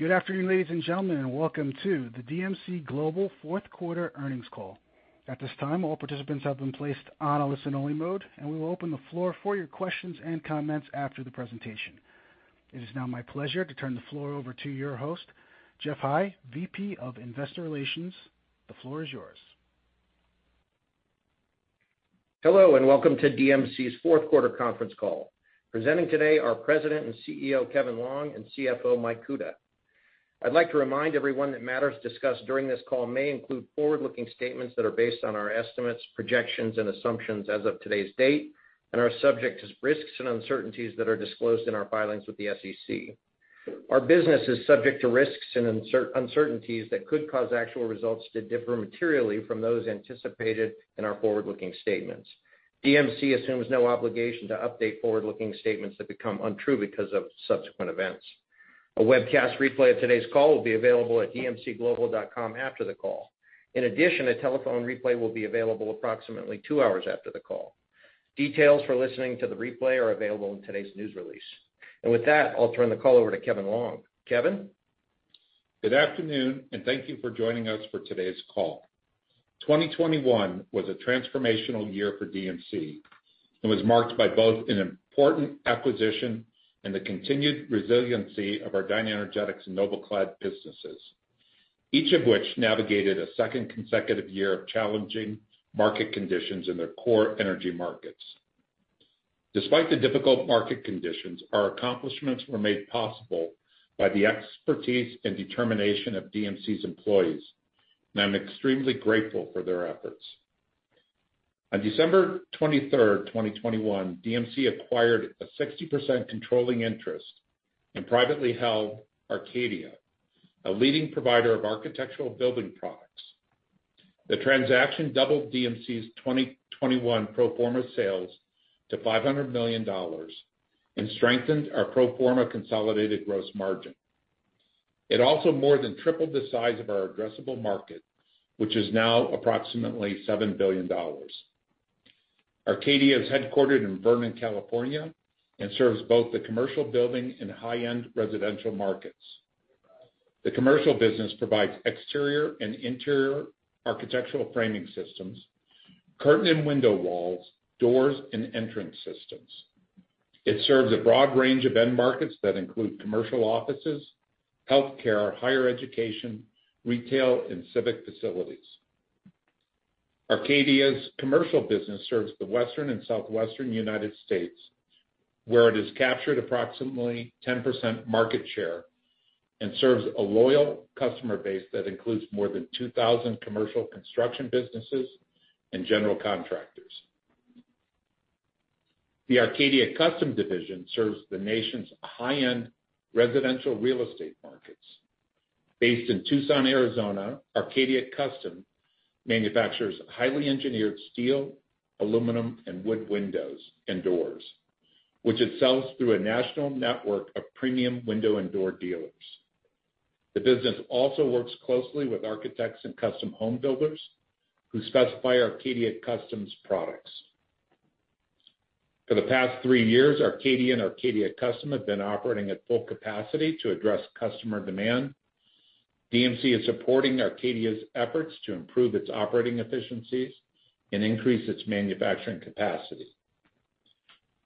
Good afternoon, ladies and gentlemen, and welcome to the DMC Global fourth quarter earnings call. At this time, all participants have been placed on a listen-only mode, and we will open the floor for your questions and comments after the presentation. It is now my pleasure to turn the floor over to your host, Geoff High, VP of Investor Relations. The floor is yours. Hello, and welcome to DMC's fourth quarter conference call. Presenting today are President and CEO, Kevin Longe, and CFO, Mike Kuta. I'd like to remind everyone that matters discussed during this call may include forward-looking statements that are based on our estimates, projections, and assumptions as of today's date and are subject to risks and uncertainties that are disclosed in our filings with the SEC. Our business is subject to risks and uncertainties that could cause actual results to differ materially from those anticipated in our forward-looking statements. DMC assumes no obligation to update forward-looking statements that become untrue because of subsequent events. A webcast replay of today's call will be available at dmcglobal.com after the call. In addition, a telephone replay will be available approximately two hours after the call. Details for listening to the replay are available in today's news release. With that, I'll turn the call over to Kevin Longe. Kevin? Good afternoon, and thank you for joining us for today's call. 2021 was a transformational year for DMC and was marked by both an important acquisition and the continued resiliency of our DynaEnergetics and NobelClad businesses, each of which navigated a second consecutive year of challenging market conditions in their core energy markets. Despite the difficult market conditions, our accomplishments were made possible by the expertise and determination of DMC's employees, and I'm extremely grateful for their efforts. On December 23, 2021, DMC acquired a 60% controlling interest in privately held Arcadia, a leading provider of architectural building products. The transaction doubled DMC's 2021 pro forma sales to $500 million and strengthened our pro forma consolidated gross margin. It also more than tripled the size of our addressable market, which is now approximately $7 billion. Arcadia is headquartered in Vernon, California, and serves both the commercial building and high-end residential markets. The commercial business provides exterior and interior architectural framing systems, curtain and window walls, doors, and entrance systems. It serves a broad range of end markets that include commercial offices, healthcare, higher education, retail, and civic facilities. Arcadia's commercial business serves the Western and Southwestern United States, where it has captured approximately 10% market share and serves a loyal customer base that includes more than 2,000 commercial construction businesses and general contractors. The Arcadia Custom division serves the nation's high-end residential real estate markets. Based in Tucson, Arizona, Arcadia Custom manufactures highly engineered steel, aluminum, and wood windows and doors, which it sells through a national network of premium window and door dealers. The business also works closely with architects and custom home builders who specify Arcadia Custom's products. For the past three years, Arcadia and Arcadia Custom have been operating at full capacity to address customer demand. DMC is supporting Arcadia's efforts to improve its operating efficiencies and increase its manufacturing capacity.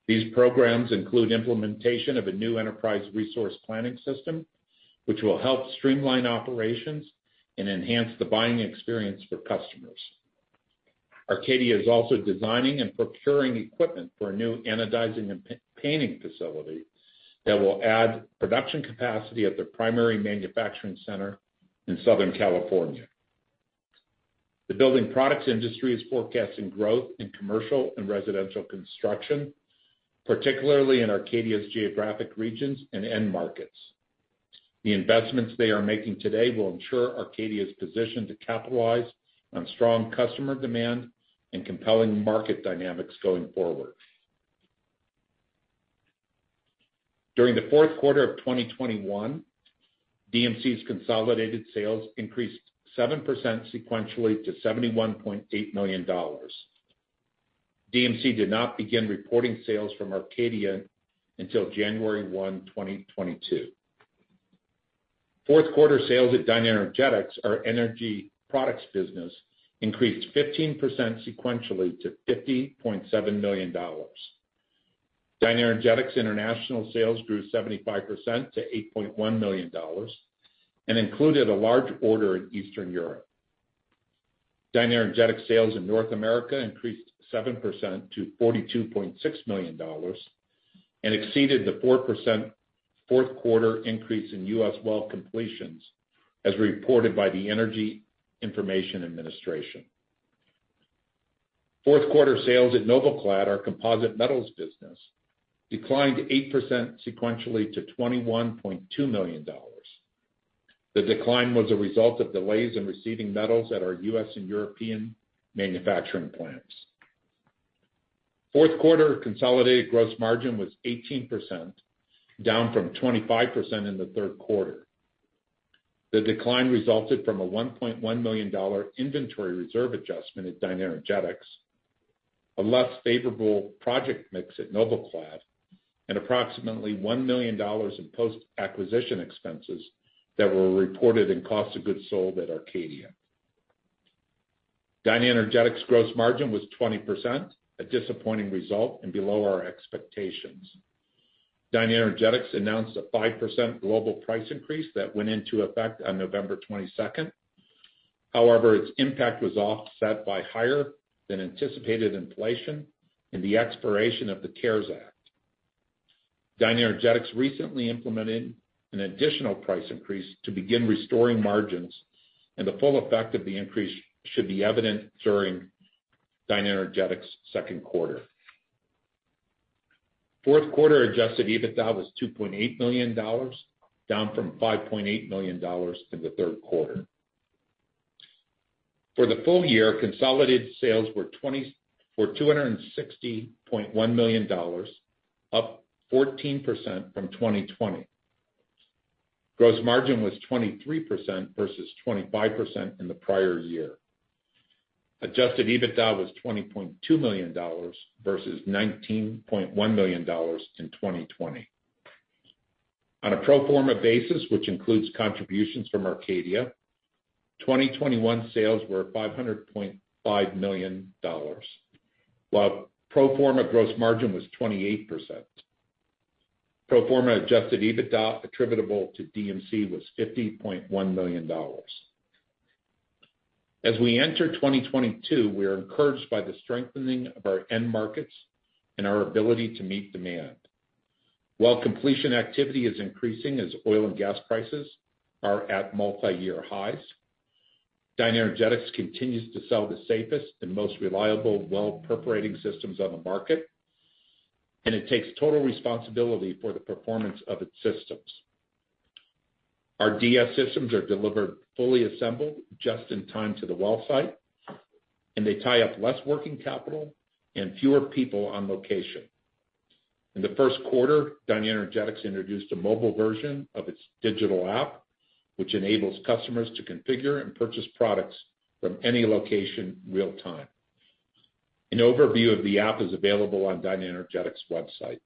These programs include implementation of a new enterprise resource planning system, which will help streamline operations and enhance the buying experience for customers. Arcadia is also designing and procuring equipment for a new anodizing and powder-painting facility that will add production capacity at their primary manufacturing center in Southern California. The building products industry is forecasting growth in commercial and residential construction, particularly in Arcadia's geographic regions and end markets. The investments they are making today will ensure Arcadia is positioned to capitalize on strong customer demand and compelling market dynamics going forward. During the fourth quarter of 2021, DMC's consolidated sales increased 7% sequentially to $71.8 million. DMC did not begin reporting sales from Arcadia until January 1, 2022. Fourth quarter sales at DynaEnergetics, our energy products business, increased 15% sequentially to $50.7 million. DynaEnergetics international sales grew 75% to $8.1 million and included a large order in Eastern Europe. DynaEnergetics sales in North America increased 7% to $42.6 million and exceeded the 4% fourth quarter increase in U.S. well completions as reported by the Energy Information Administration. Fourth quarter sales at NobelClad, our composite metals business, declined 8% sequentially to $21.2 million. The decline was a result of delays in receiving metals at our U.S. and European manufacturing plants. Fourth quarter consolidated gross margin was 18%, down from 25% in the third quarter. The decline resulted from a $1.1 million inventory reserve adjustment at DynaEnergetics, a less favorable project mix at NobelClad, and approximately $1 million in post-acquisition expenses that were reported in cost of goods sold at Arcadia. DynaEnergetics gross margin was 20%, a disappointing result and below our expectations. DynaEnergetics announced a 5% global price increase that went into effect on November 22. However, its impact was offset by higher than anticipated inflation and the expiration of the CARES Act. DynaEnergetics recently implemented an additional price increase to begin restoring margins, and the full effect of the increase should be evident during DynaEnergetics' second quarter. Fourth quarter adjusted EBITDA was $2.8 million, down from $5.8 million in the third quarter. For the full year, consolidated sales were $260.1 million, up 14% from 2020. Gross margin was 23% versus 25% in the prior year. Adjusted EBITDA was $20.2 million versus $19.1 million in 2020. On a pro forma basis, which includes contributions from Arcadia, 2021 sales were $500.5 million, while pro forma gross margin was 28%. Pro forma adjusted EBITDA attributable to DMC was $50.1 million. As we enter 2022, we are encouraged by the strengthening of our end markets and our ability to meet demand. While completion activity is increasing as oil and gas prices are at multiyear highs, DynaEnergetics continues to sell the safest and most reliable well perforating systems on the market, and it takes total responsibility for the performance of its systems. Our DS systems are delivered fully assembled just in time to the well site, and they tie up less working capital and fewer people on location. In the first quarter, DynaEnergetics introduced a mobile version of its digital app, which enables customers to configure and purchase products from any location real time. An overview of the app is available on DynaEnergetics' website.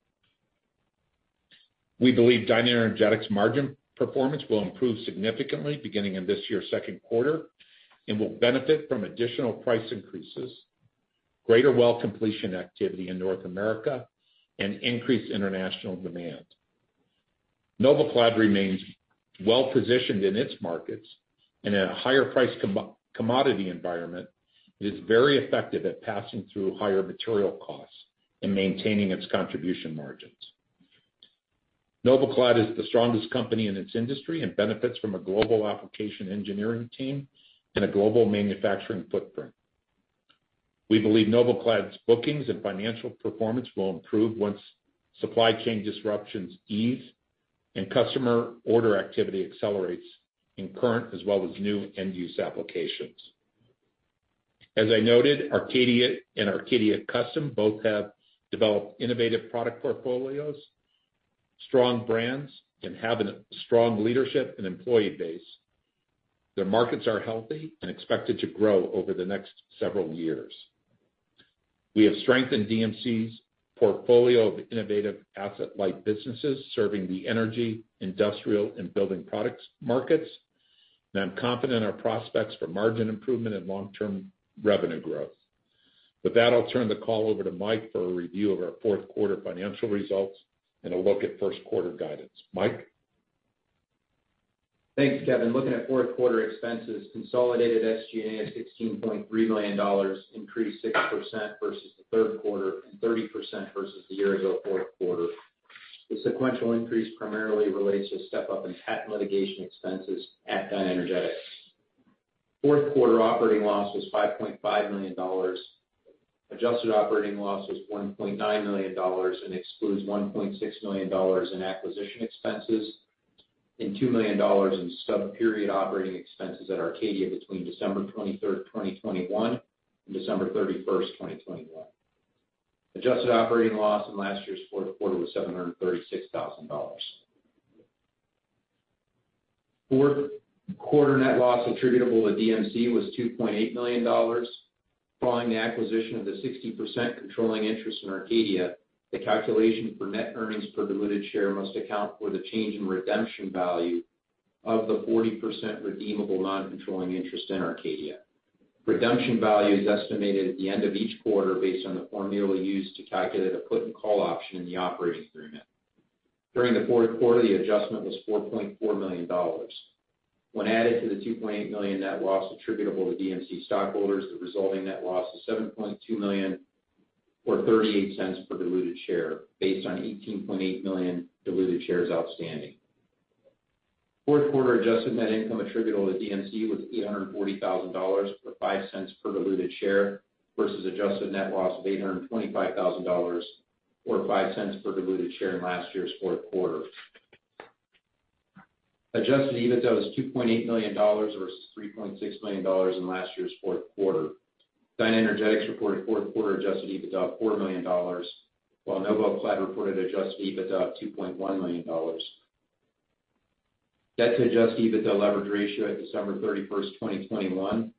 We believe DynaEnergetics' margin performance will improve significantly beginning in this year's second quarter and will benefit from additional price increases, greater well completion activity in North America, and increased international demand. NobelClad remains well-positioned in its markets. In a higher price commodity environment, it is very effective at passing through higher material costs and maintaining its contribution margins. NobelClad is the strongest company in its industry and benefits from a global application engineering team and a global manufacturing footprint. We believe NobelClad's bookings and financial performance will improve once supply chain disruptions ease and customer order activity accelerates in current as well as new end-use applications. As I noted, Arcadia and Arcadia Custom both have developed innovative product portfolios, strong brands, and have a strong leadership and employee base. Their markets are healthy and expected to grow over the next several years. We have strengthened DMC's portfolio of innovative asset-light businesses serving the energy, industrial, and building products markets, and I'm confident in our prospects for margin improvement and long-term revenue growth. With that, I'll turn the call over to Mike for a review of our fourth quarter financial results and a look at first quarter guidance. Mike? Thanks, Kevin. Looking at fourth quarter expenses, consolidated SG&A is $16.3 million, increased 6% versus the third quarter and 30% versus the year-ago fourth quarter. The sequential increase primarily relates to a step-up in patent litigation expenses at DynaEnergetics. Fourth quarter operating loss was $5.5 million. Adjusted operating loss was $1.9 million and excludes $1.6 million in acquisition expenses and $2 million in sub-period operating expenses at Arcadia between December 23, 2021, and December 31, 2021. Adjusted operating loss in last year's fourth quarter was $736,000. Fourth quarter net loss attributable to DMC was $2.8 million. Following the acquisition of the 60% controlling interest in Arcadia, the calculation for net earnings per diluted share must account for the change in redemption value of the 40% redeemable non-controlling interest in Arcadia. Redemption value is estimated at the end of each quarter based on the formula used to calculate a put and call option in the operating agreement. During the fourth quarter, the adjustment was $4.4 million. When added to the $2.8 million net loss attributable to DMC stockholders, the resulting net loss is $7.2 million, or $0.38 per diluted share based on 18.8 million diluted shares outstanding. Fourth quarter adjusted net income attributable to DMC was $840,000, or $0.05 per diluted share versus adjusted net loss of $825,000 or $0.05 per diluted share in last year's fourth quarter. Adjusted EBITDA was $2.8 million versus $3.6 million in last year's fourth quarter. DynaEnergetics reported fourth quarter adjusted EBITDA of $4 million, while NobelClad reported adjusted EBITDA of $2.1 million. Debt to adjusted EBITDA leverage ratio at December 31, 2021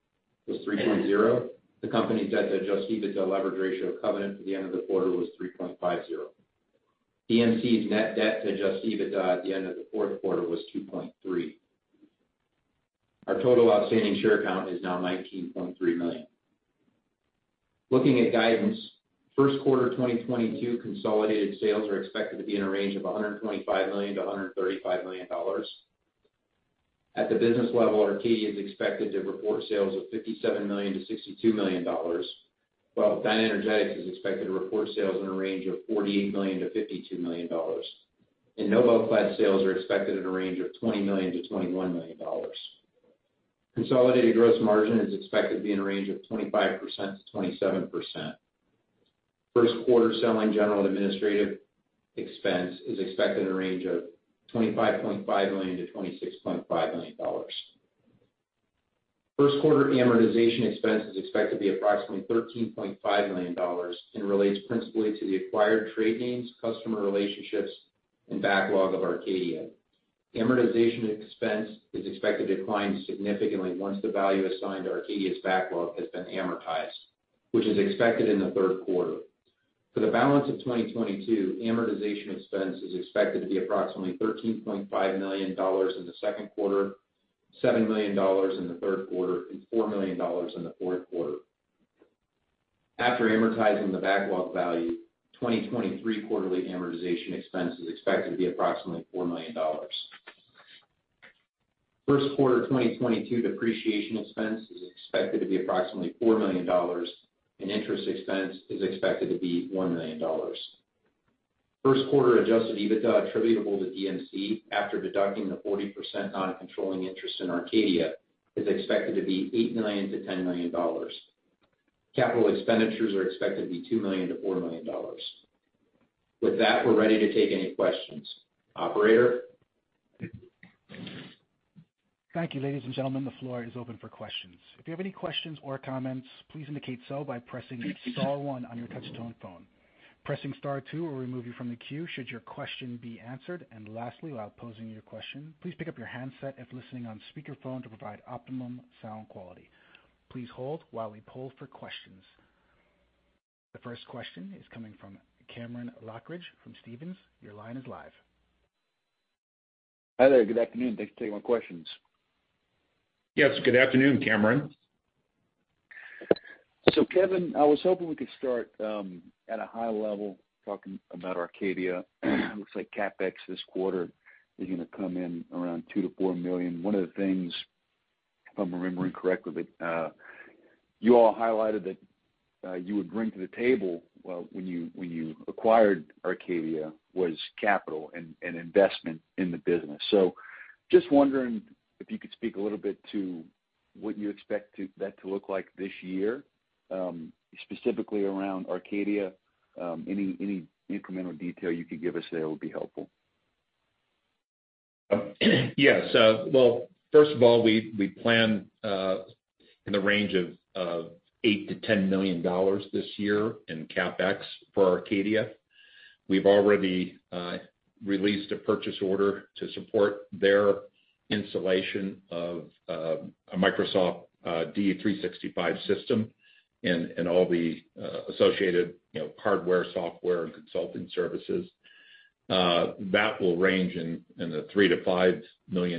was 3.0. The company's debt to adjusted EBITDA leverage ratio covenant at the end of the quarter was 3.50. DMC's net debt to adjusted EBITDA at the end of the fourth quarter was 2.3. Our total outstanding share count is now 19.3 million. Looking at guidance, first quarter 2022 consolidated sales are expected to be in a range of $125 million-$135 million. At the business level, Arcadia is expected to report sales of $57 million-$62 million, while DynaEnergetics is expected to report sales in a range of $48 million-$52 million. NobelClad sales are expected in a range of $20 million-$21 million. Consolidated gross margin is expected to be in a range of 25%-27%. First quarter selling general and administrative expense is expected in a range of $25.5 million-$26.5 million. First quarter amortization expense is expected to be approximately $13.5 million and relates principally to the acquired trade names, customer relationships, and backlog of Arcadia. Amortization expense is expected to decline significantly once the value assigned to Arcadia's backlog has been amortized, which is expected in the third quarter. For the balance of 2022, amortization expense is expected to be approximately $13.5 million in the second quarter, $7 million in the third quarter, and $4 million in the fourth quarter. After amortizing the backlog value, 2023 quarterly amortization expense is expected to be approximately $4 million. First quarter 2022 depreciation expense is expected to be approximately $4 million, and interest expense is expected to be $1 million. First quarter adjusted EBITDA attributable to DMC, after deducting the 40% non-controlling interest in Arcadia, is expected to be $8 million-$10 million. Capital expenditures are expected to be $2 million-$4 million. With that, we're ready to take any questions. Operator? Thank you, ladies and gentlemen. The floor is open for questions. If you have any questions or comments, please indicate so by pressing star one on your touch-tone phone. Pressing star two will remove you from the queue should your question be answered. Lastly, while posing your question, please pick up your handset if listening on speakerphone to provide optimum sound quality. Please hold while we poll for questions. The first question is coming from Cameron Lochridge from Stephens. Your line is live. Hi there. Good afternoon. Thanks for taking my questions. Yes, good afternoon, Cameron. Kevin, I was hoping we could start at a high level talking about Arcadia. Looks like CapEx this quarter is gonna come in around $2 million-$4 million. One of the things, if I'm remembering correctly, you all highlighted that you would bring to the table when you acquired Arcadia was capital and investment in the business. Just wondering if you could speak a little bit to what you expect that to look like this year, specifically around Arcadia. Any incremental detail you could give us there would be helpful. Yes. Well, first of all, we plan in the range of $8 million-$10 million this year in CapEx for Arcadia. We've already released a purchase order to support their installation of a Microsoft D365 system and all the associated, you know, hardware, software, and consulting services. That will range in the $3 million-$5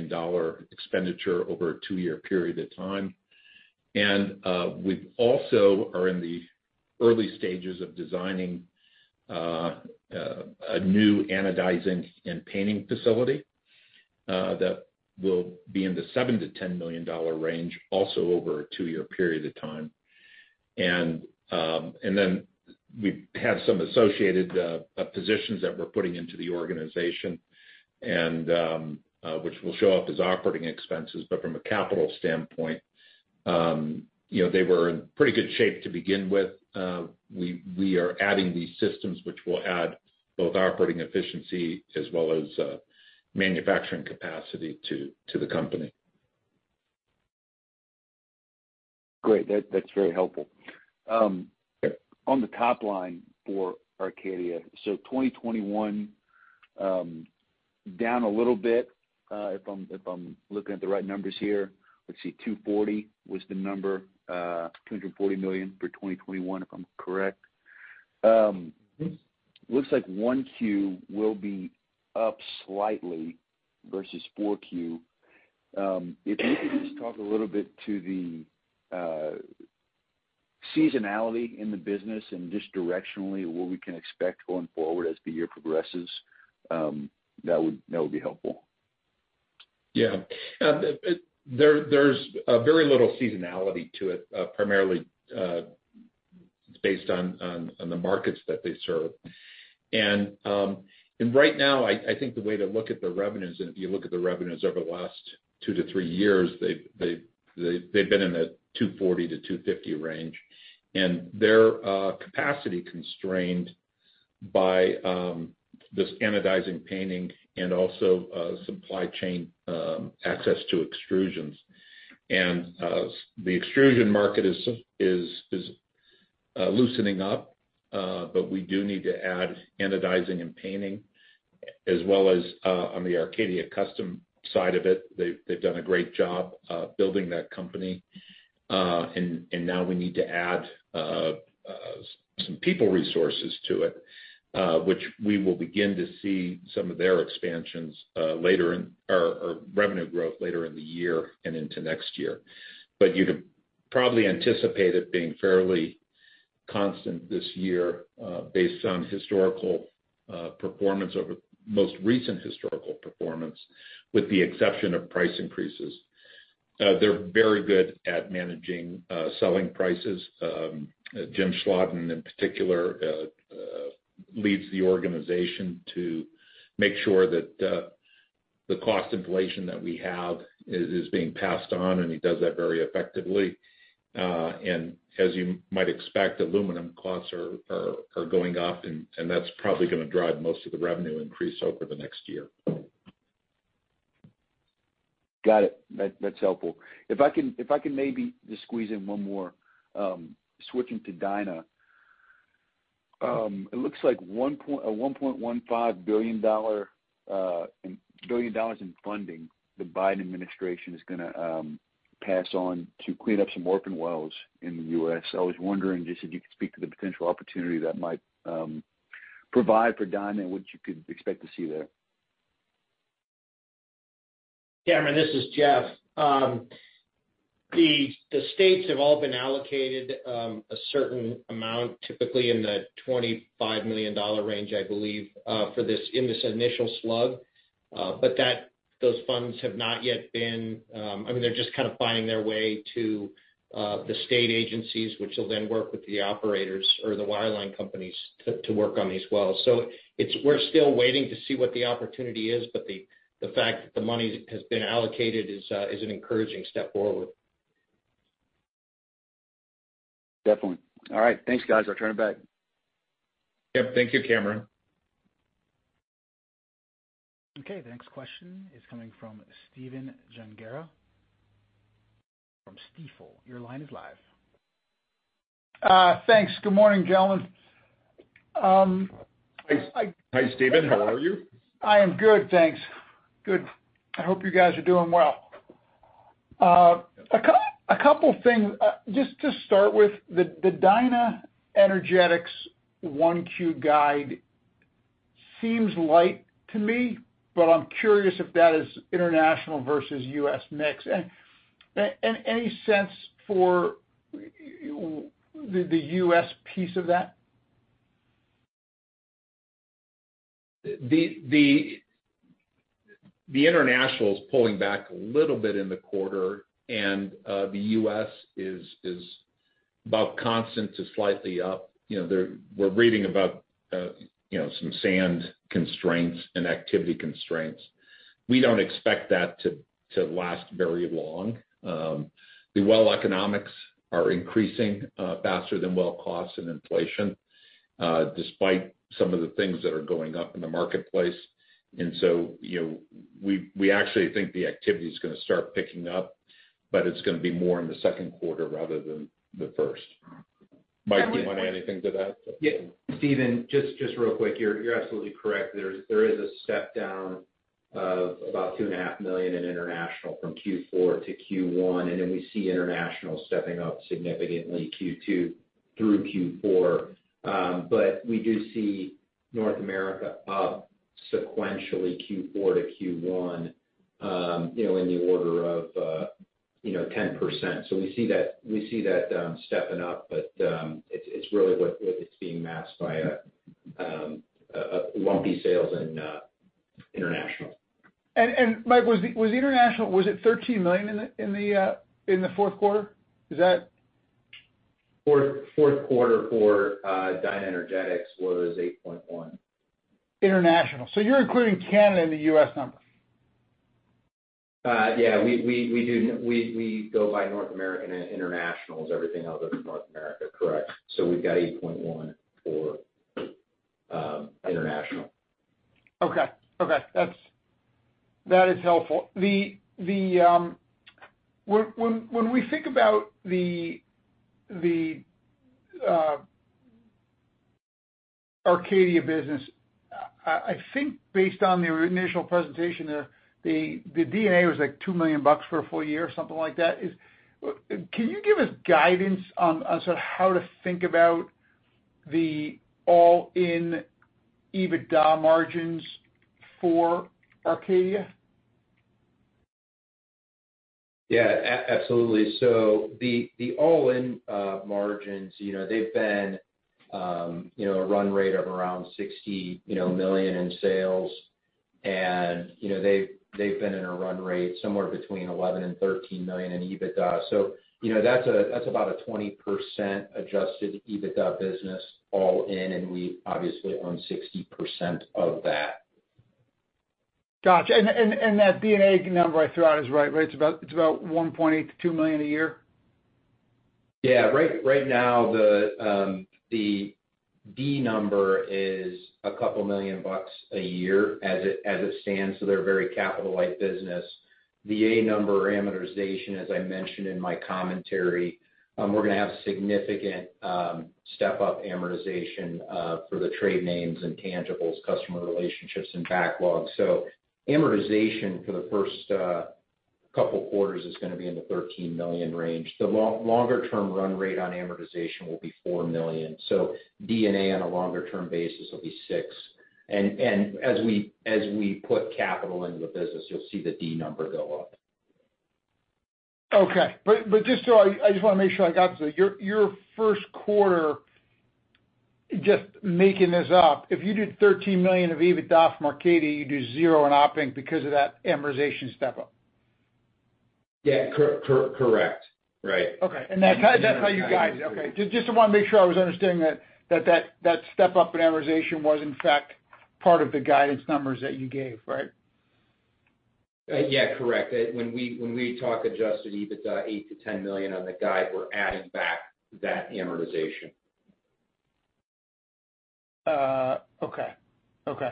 million expenditure over a two-year period of time. We also are in the early stages of designing a new anodizing and painting facility that will be in the $7 million-$10 million range, also over a two-year period of time. Then we have some associated positions that we're putting into the organization and which will show up as operating expenses. From a capital standpoint, you know, they were in pretty good shape to begin with. We are adding these systems which will add both operating efficiency as well as manufacturing capacity to the company. Great. That's very helpful. On the top line for Arcadia, 2021 down a little bit, if I'm looking at the right numbers here. Let's see, 240 was the number, $240 million for 2021, if I'm correct. Looks like 1Q will be up slightly versus 4Q. If you could just talk a little bit to the seasonality in the business and just directionally what we can expect going forward as the year progresses, that would be helpful. Yeah. There's very little seasonality to it, primarily based on the markets that they serve. Right now, I think the way to look at the revenues, and if you look at the revenues over the last two to three years, they've been in the $240-$250 range. They're capacity constrained. By this anodizing painting and also supply chain access to extrusions. The extrusion market is loosening up, but we do need to add anodizing and painting as well as on the Arcadia Custom side of it. They've done a great job building that company. Now we need to add some people resources to it, which we will begin to see some of their expansions or revenue growth later in the year and into next year. You can probably anticipate it being fairly constant this year based on historical performance over most recent historical performance, with the exception of price increases. They're very good at managing selling prices. Jim Schladen, in particular, leads the organization to make sure that the cost inflation that we have is being passed on, and he does that very effectively. As you might expect, aluminum costs are going up, and that's probably gonna drive most of the revenue increase over the next year. Got it. That's helpful. If I can maybe just squeeze in one more, switching to Dyna. It looks like $1.15 billion in funding the Biden administration is gonna pass on to clean up some orphan wells in the U.S. I was wondering just if you could speak to the potential opportunity that might provide for Dyna and what you could expect to see there. Cameron, this is Geoff. The states have all been allocated a certain amount, typically in the $25 million range, I believe, for this, in this initial slug. But those funds have not yet been. I mean, they're just kind of finding their way to the state agencies, which will then work with the operators or the wireline companies to work on these wells. We're still waiting to see what the opportunity is, but the fact that the money has been allocated is an encouraging step forward. Definitely. All right. Thanks, guys. I'll turn it back. Yep. Thank you, Cameron. Okay. The next question is coming from Stephen Gengaro from Stifel. Your line is live. Thanks. Good morning, gentlemen. Hi, Stephen. How are you? I am good, thanks. Good. I hope you guys are doing well. A couple things. Just to start with, the DynaEnergetics 1Q guide seems light to me, but I'm curious if that is international versus U.S. mix. Any sense for the U.S. piece of that? The international is pulling back a little bit in the quarter, and the U.S. is about constant to slightly up. You know, we're reading about, you know, some sand constraints and activity constraints. We don't expect that to last very long. The well economics are increasing faster than well costs and inflation, despite some of the things that are going up in the marketplace. You know, we actually think the activity is gonna start picking up, but it's gonna be more in the second quarter rather than the first. Mike, do you wanna add anything to that? Yeah. Stephen, just real quick. You're absolutely correct. There is a step down of about $2.5 million in international from Q4 to Q1, and then we see international stepping up significantly Q2 through Q4. But we do see North America up sequentially Q4 to Q1, you know, in the order of 10%. We see that stepping up, but it's really what it's being masked by a lumpy sales in international. Mike, was international. Was it $13 million in the fourth quarter? Is that- Fourth quarter for DynaEnergetics was $8.1. International. You're including Canada in the U.S. numbers? Yeah. We do. We go by North American and international is everything other than North America, correct. So we've got $8.1 for international. Okay. That's helpful. When we think about the Arcadia business, I think based on their initial presentation, the EBITDA was like $2 million for a full year, something like that. Can you give us guidance on sort of how to think about the all-in EBITDA margins for Arcadia? Yeah. Absolutely. The all-in margins, you know, they've been a run rate of around $60 million in sales. You know, they've been in a run rate somewhere between $11 million and $13 million in EBITDA. You know, that's about a 20% adjusted EBITDA business all in, and we obviously own 60% of that. Gotcha. That B and A number I threw out is right? It's about $1.8 million-$2 million a year? Yeah. Right now, the D number is $2 million a year as it stands, so they're a very capital-light business. The A number amortization, as I mentioned in my commentary, we're gonna have significant step-up amortization for the trade names and tangibles, customer relationships, and backlogs. So amortization for the first couple quarters is gonna be in the $13 million range. The longer term run rate on amortization will be $4 million. So D&A on a longer term basis will be $6 million. As we put capital into the business, you'll see the D number go up. Okay. Just so I just wanna make sure I got this right. Your first quarter, just making this up, if you do $13 million of EBITDA from Arcadia, you do $0 in op inc because of that amortization step-up. Yeah. Correct. Right. Okay. That's how you guide it. Okay. Just, I wanna make sure I was understanding that step up in amortization was in fact part of the guidance numbers that you gave, right? Yeah, correct. When we talk adjusted EBITDA, $8 million-$10 million on the guide, we're adding back that amortization. Okay. Okay.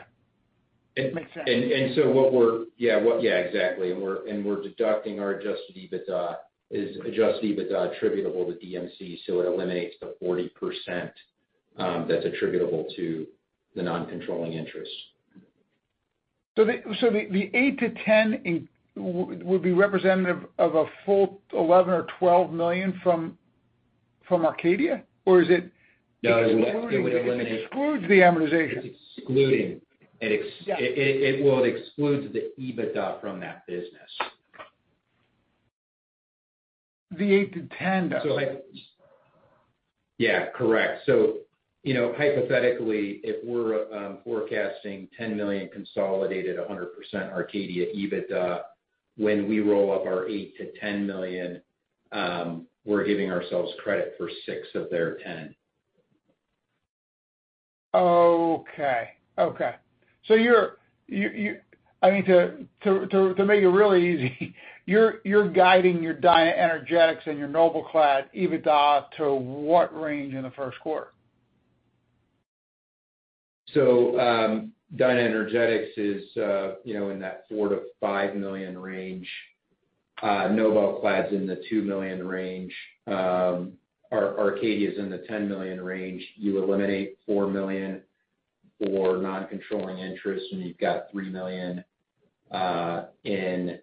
It- Makes sense. What we're deducting is adjusted EBITDA attributable to DMC, so it eliminates the 40% that's attributable to the non-controlling interest. The 8-10 would be representative of a full $11 million or $12 million from Arcadia? Or is it? No. It would eliminate. It excludes the amortization. It's excluding. Yeah. It excludes the EBITDA from that business. The 8-10 though. Yeah, correct. You know, hypothetically, if we're forecasting $10 million consolidated 100% Arcadia EBITDA, when we roll up our $8 million-$10 million, we're giving ourselves credit for six of their 10. Okay, I mean, to make it really easy, you're guiding your DynaEnergetics and your NobelClad EBITDA to what range in the first quarter? DynaEnergetics is, you know, in that $4 million-$5 million range. NobelClad's in the $2 million range. Arcadia is in the $10 million range. You eliminate $4 million for non-controlling interest, and you've got $3 million in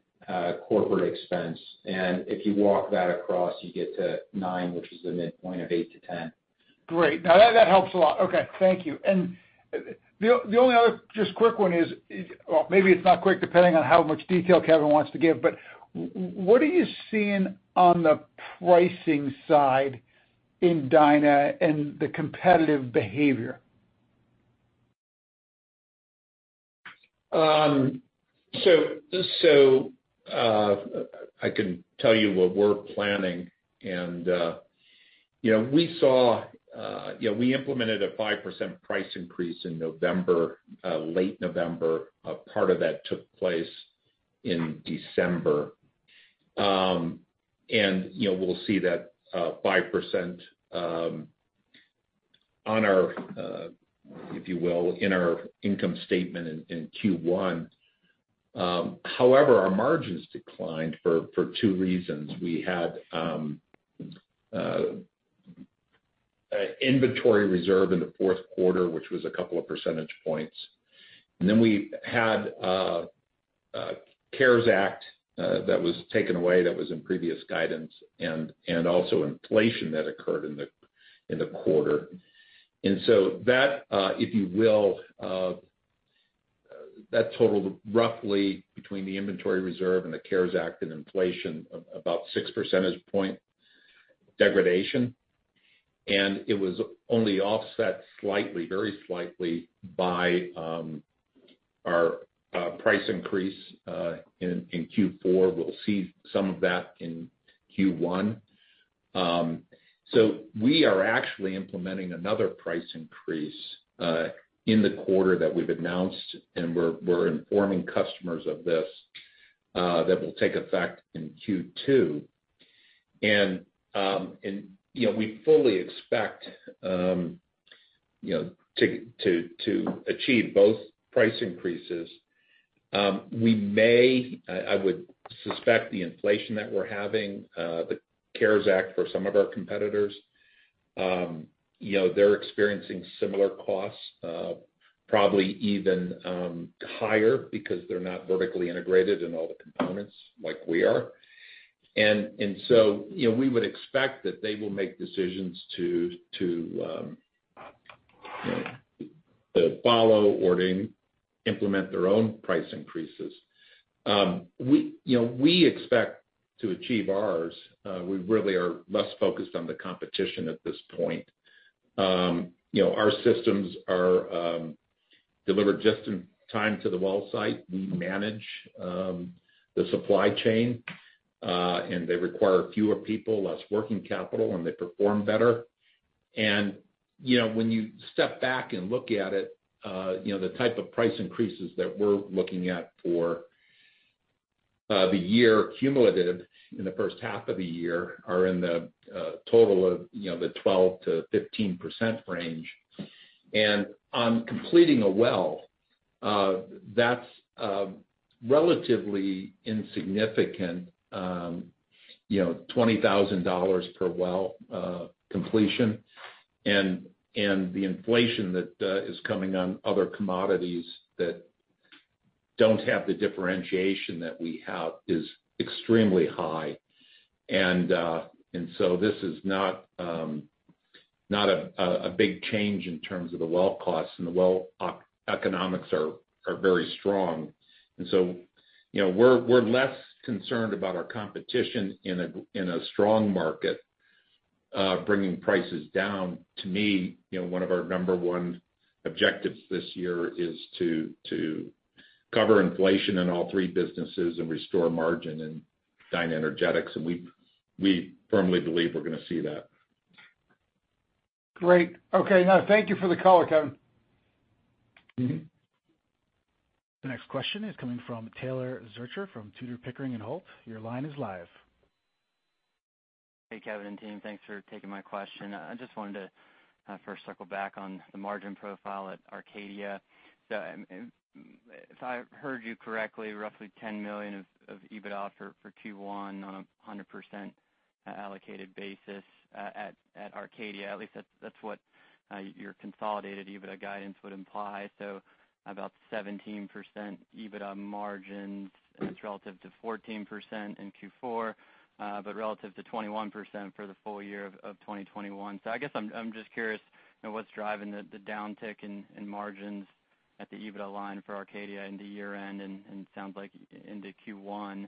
corporate expense. If you walk that across, you get to nine, which is the midpoint of $8 million-$10 million. Great. Now that helps a lot. Okay, thank you. The only other just quick one is. Well, maybe it's not quick depending on how much detail Kevin wants to give, but what are you seeing on the pricing side in Dyna and the competitive behavior? I can tell you what we're planning. We implemented a 5% price increase in November, late November. A part of that took place in December. We'll see that 5%, if you will, in our income statement in Q1. However, our margins declined for two reasons. We had inventory reserve in the fourth quarter, which was a couple of percentage points. Then we had CARES Act that was taken away, that was in previous guidance and also inflation that occurred in the quarter. That, if you will, totaled roughly between the inventory reserve and the CARES Act and inflation of about 6 percentage point degradation. It was only offset slightly, very slightly by our price increase in Q4. We'll see some of that in Q1. We are actually implementing another price increase in the quarter that we've announced, and we're informing customers of this, that will take effect in Q2. You know, we fully expect you know to achieve both price increases. I would suspect the inflation that we're having, the CARES Act for some of our competitors, you know, they're experiencing similar costs probably even higher because they're not vertically integrated in all the components like we are. You know, we would expect that they will make decisions to follow or to implement their own price increases. You know, we expect to achieve ours. We really are less focused on the competition at this point. You know, our systems are delivered just in time to the well site. We manage the supply chain, and they require fewer people, less working capital, and they perform better. You know, when you step back and look at it, you know, the type of price increases that we're looking at for the year cumulative in the first half of the year are in the total of 12%-15% range. On completing a well, that's relatively insignificant, you know, $20,000 per well completion. The inflation that is coming on other commodities that don't have the differentiation that we have is extremely high. This is not a big change in terms of the well costs, and the well economics are very strong. You know, we're less concerned about our competition in a strong market bringing prices down. To me, you know, one of our number one objectives this year is to cover inflation in all three businesses and restore margin in DynaEnergetics, and we firmly believe we're gonna see that. Great. Okay. No, thank you for the color, Kevin. Mm-hmm. The next question is coming from Taylor Zurcher from Tudor, Pickering & Holt. Your line is live. Hey, Kevin and team. Thanks for taking my question. I just wanted to first circle back on the margin profile at Arcadia. If I heard you correctly, roughly $10 million of EBITDA for Q1 on a 100% allocated basis at Arcadia, at least that's what your consolidated EBITDA guidance would imply. About 17% EBITDA margins that's relative to 14% in Q4, but relative to 21% for the full year of 2021. I guess I'm just curious, you know, what's driving the downtick in margins at the EBITDA line for Arcadia into year-end and sounds like into Q1.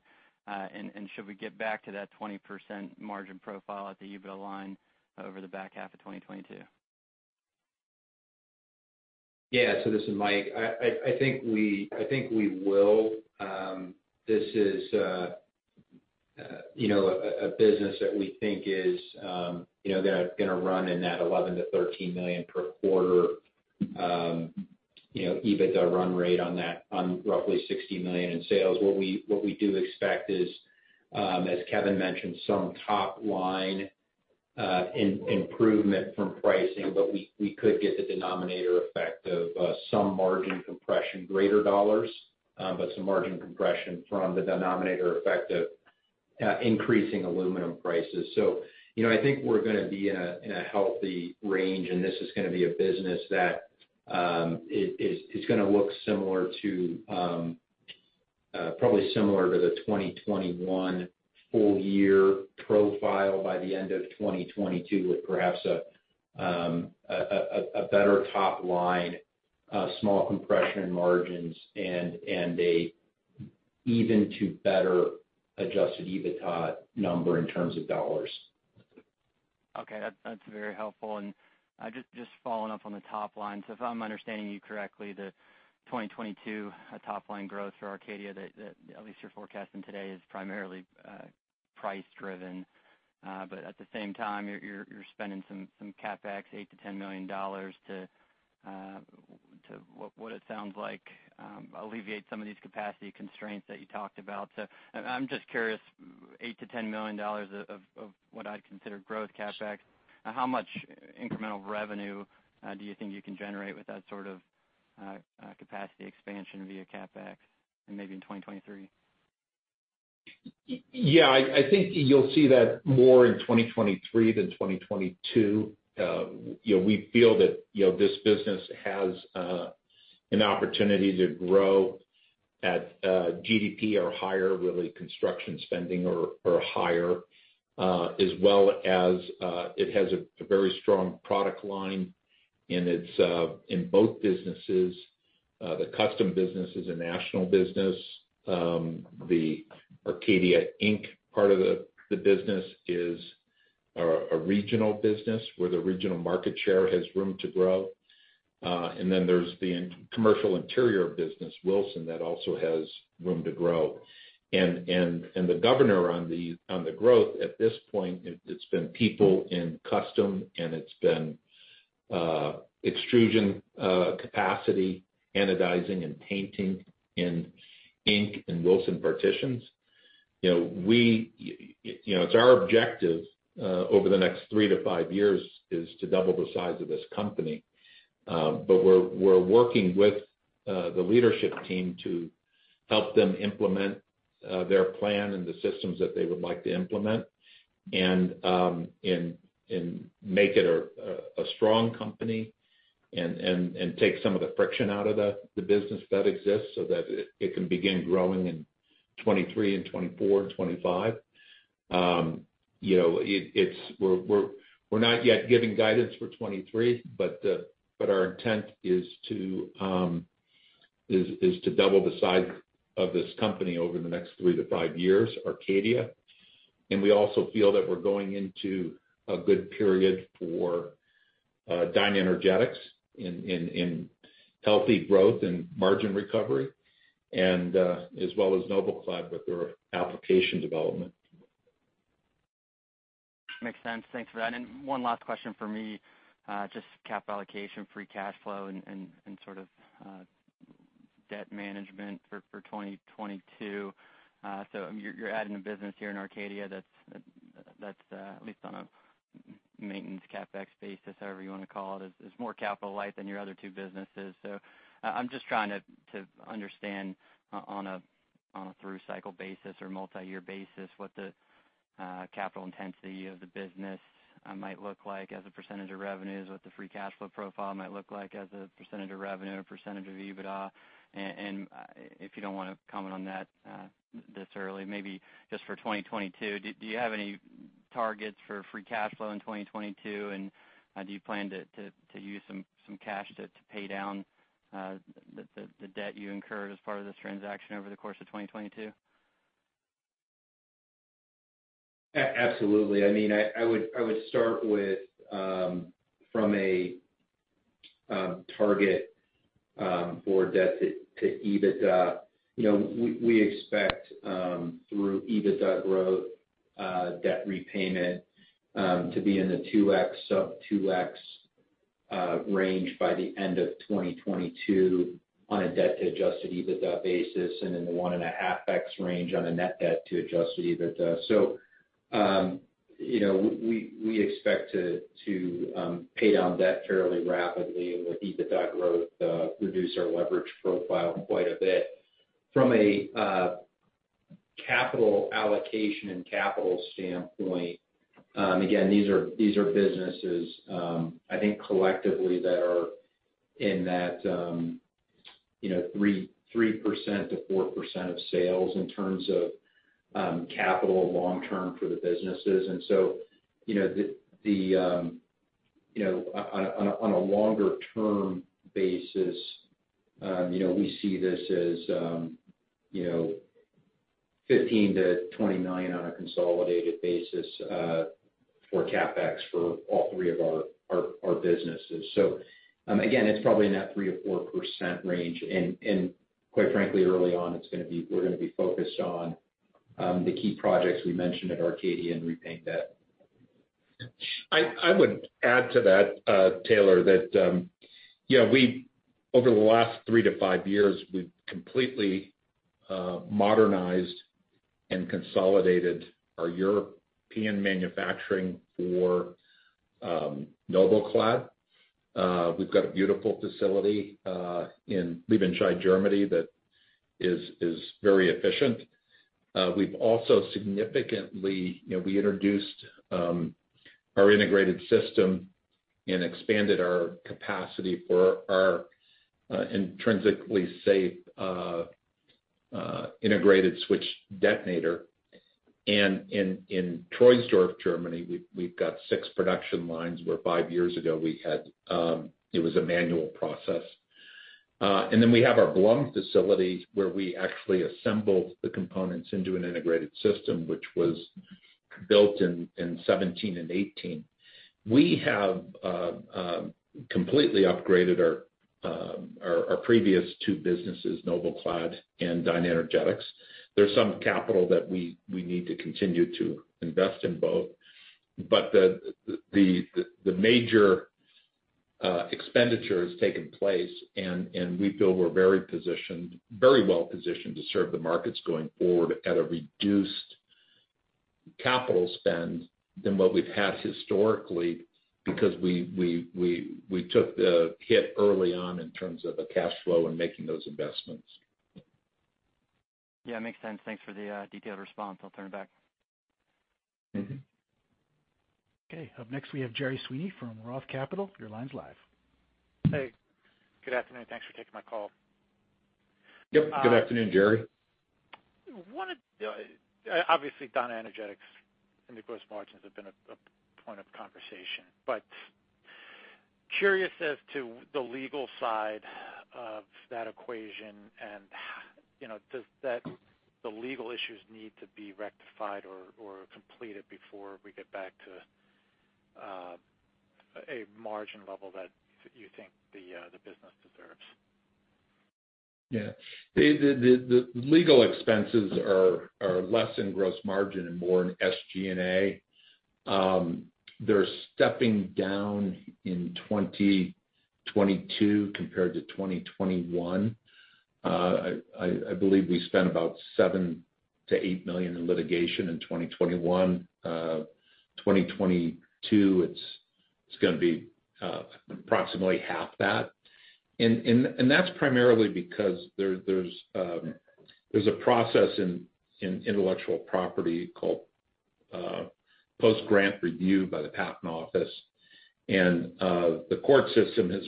Should we get back to that 20% margin profile at the EBITDA line over the back half of 2022? Yeah. This is Mike. I think we will. This is you know a business that we think is you know gonna run in that $11 million-$13 million per quarter you know EBITDA run rate on that on roughly $60 million in sales. What we do expect is as Kevin mentioned some top-line improvement from pricing. But we could get the denominator effect of some margin compression, greater dollars but some margin compression from the denominator effect of increasing aluminum prices. You know, I think we're gonna be in a healthy range, and this is gonna be a business that it's gonna look similar to, probably similar to the 2021 full year profile by the end of 2022 with perhaps a better top line, small compression in margins and an even better adjusted EBITDA number in terms of dollars. Okay. That's very helpful. Just following up on the top line. If I'm understanding you correctly, the 2022 top line growth for Arcadia that at least you're forecasting today is primarily price driven. But at the same time, you're spending some CapEx, $8 million-$10 million to what it sounds like alleviate some of these capacity constraints that you talked about. I'm just curious, $8 million-$10 million of what I'd consider growth CapEx, how much incremental revenue do you think you can generate with that sort of capacity expansion via CapEx and maybe in 2023? Yeah. I think you'll see that more in 2023 than 2022. You know, we feel that, you know, this business has an opportunity to grow at GDP or higher, really construction spending or higher, as well as it has a very strong product line in its in both businesses. The custom business is a national business. The Arcadia Inc. part of the business is a regional business where the regional market share has room to grow. Then there's the commercial interior business, Wilson, that also has room to grow. The governor on the growth at this point, it's been people in custom, and it's been extrusion capacity, anodizing, and painting in Inc. and Wilson Partitions. You know, we... You know, it's our objective over the next three to five years is to double the size of this company. But we're working with the leadership team to help them implement their plan and the systems that they would like to implement and make it a strong company and take some of the friction out of the business that exists so that it can begin growing in 2023 and 2024 and 2025. You know, we're not yet giving guidance for 2023, but our intent is to double the size of this company over the next three to five years, Arcadia. We also feel that we're going into a good period for DynaEnergetics in healthy growth and margin recovery and, as well as NobelClad with their application development. Makes sense. Thanks for that. One last question for me, just capital allocation, free cash flow and sort of debt management for 2022. You're adding a business here in Arcadia that's at least on a maintenance CapEx basis, however you wanna call it, is more capital light than your other two businesses. I'm just trying to understand on a through cycle basis or multi-year basis, what the capital intensity of the business might look like as a percentage of revenues, what the free cash flow profile might look like as a percentage of revenue or percentage of EBITDA. If you don't wanna comment on that this early, maybe just for 2022, do you have any targets for free cash flow in 2022? Do you plan to use some cash to pay down the debt you incurred as part of this transaction over the course of 2022? Absolutely. I mean, I would start with a target for debt to EBITDA. You know, we expect through EBITDA growth, debt repayment, to be in the 2x sub-2x range by the end of 2022 on a debt to adjusted EBITDA basis and in the 1.5x range on a net debt to adjusted EBITDA. You know, we expect to pay down debt fairly rapidly with EBITDA growth, reduce our leverage profile quite a bit. From a capital allocation and capital standpoint, again, these are businesses, I think collectively that are in that, you know, 3%-4% of sales in terms of capital long term for the businesses. You know, the longer term basis, you know, we see this as, you know, $15 million-$20 million on a consolidated basis for CapEx for all three of our businesses. Again, it's probably in that 3%-4% range. Quite frankly, early on, it's gonna be we're gonna be focused on the key projects we mentioned at Arcadia and repaying debt. I would add to that, Taylor, you know, over the last three-five years, we've completely modernized and consolidated our European manufacturing for NobelClad. We've got a beautiful facility in Liebenscheid, Germany, that is very efficient. You know, we introduced our integrated system and expanded our capacity for our intrinsically safe integrated switch detonator. In Trostberg, Germany, we've got six production lines, where five years ago it was a manual process. We have our Blum facility, where we actually assembled the components into an integrated system, which was built in 2017 and 2018. We have completely upgraded our previous two businesses, NobelClad and DynaEnergetics. There's some capital that we need to continue to invest in both. The major expenditure has taken place, and we feel we're very well positioned to serve the markets going forward at a reduced capital spend than what we've had historically, because we took the hit early on in terms of the cash flow and making those investments. Yeah, makes sense. Thanks for the detailed response. I'll turn it back. Mm-hmm. Okay. Up next, we have Gerry Sweeney from Roth Capital. Your line's live. Hey. Good afternoon. Thanks for taking my call. Yep, good afternoon, Gerry. Obviously, DynaEnergetics and the gross margins have been a point of conversation, but curious as to the legal side of that equation and, you know, does that, the legal issues need to be rectified or completed before we get back to a margin level that you think the business deserves? The legal expenses are less in gross margin and more in SG&A. They're stepping down in 2022 compared to 2021. I believe we spent about $7 million-$8 million in litigation in 2021. 2022, it's gonna be approximately half that. That's primarily because there's a process in intellectual property called post-grant review by the patent office. The court system has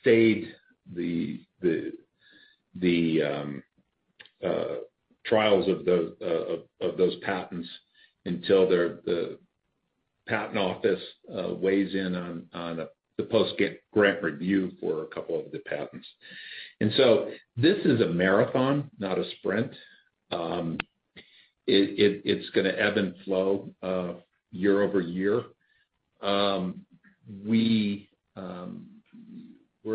stayed the trials of those patents until the patent office weighs in on the post-grant review for a couple of the patents. This is a marathon, not a sprint. It's gonna ebb and flow year over year. We're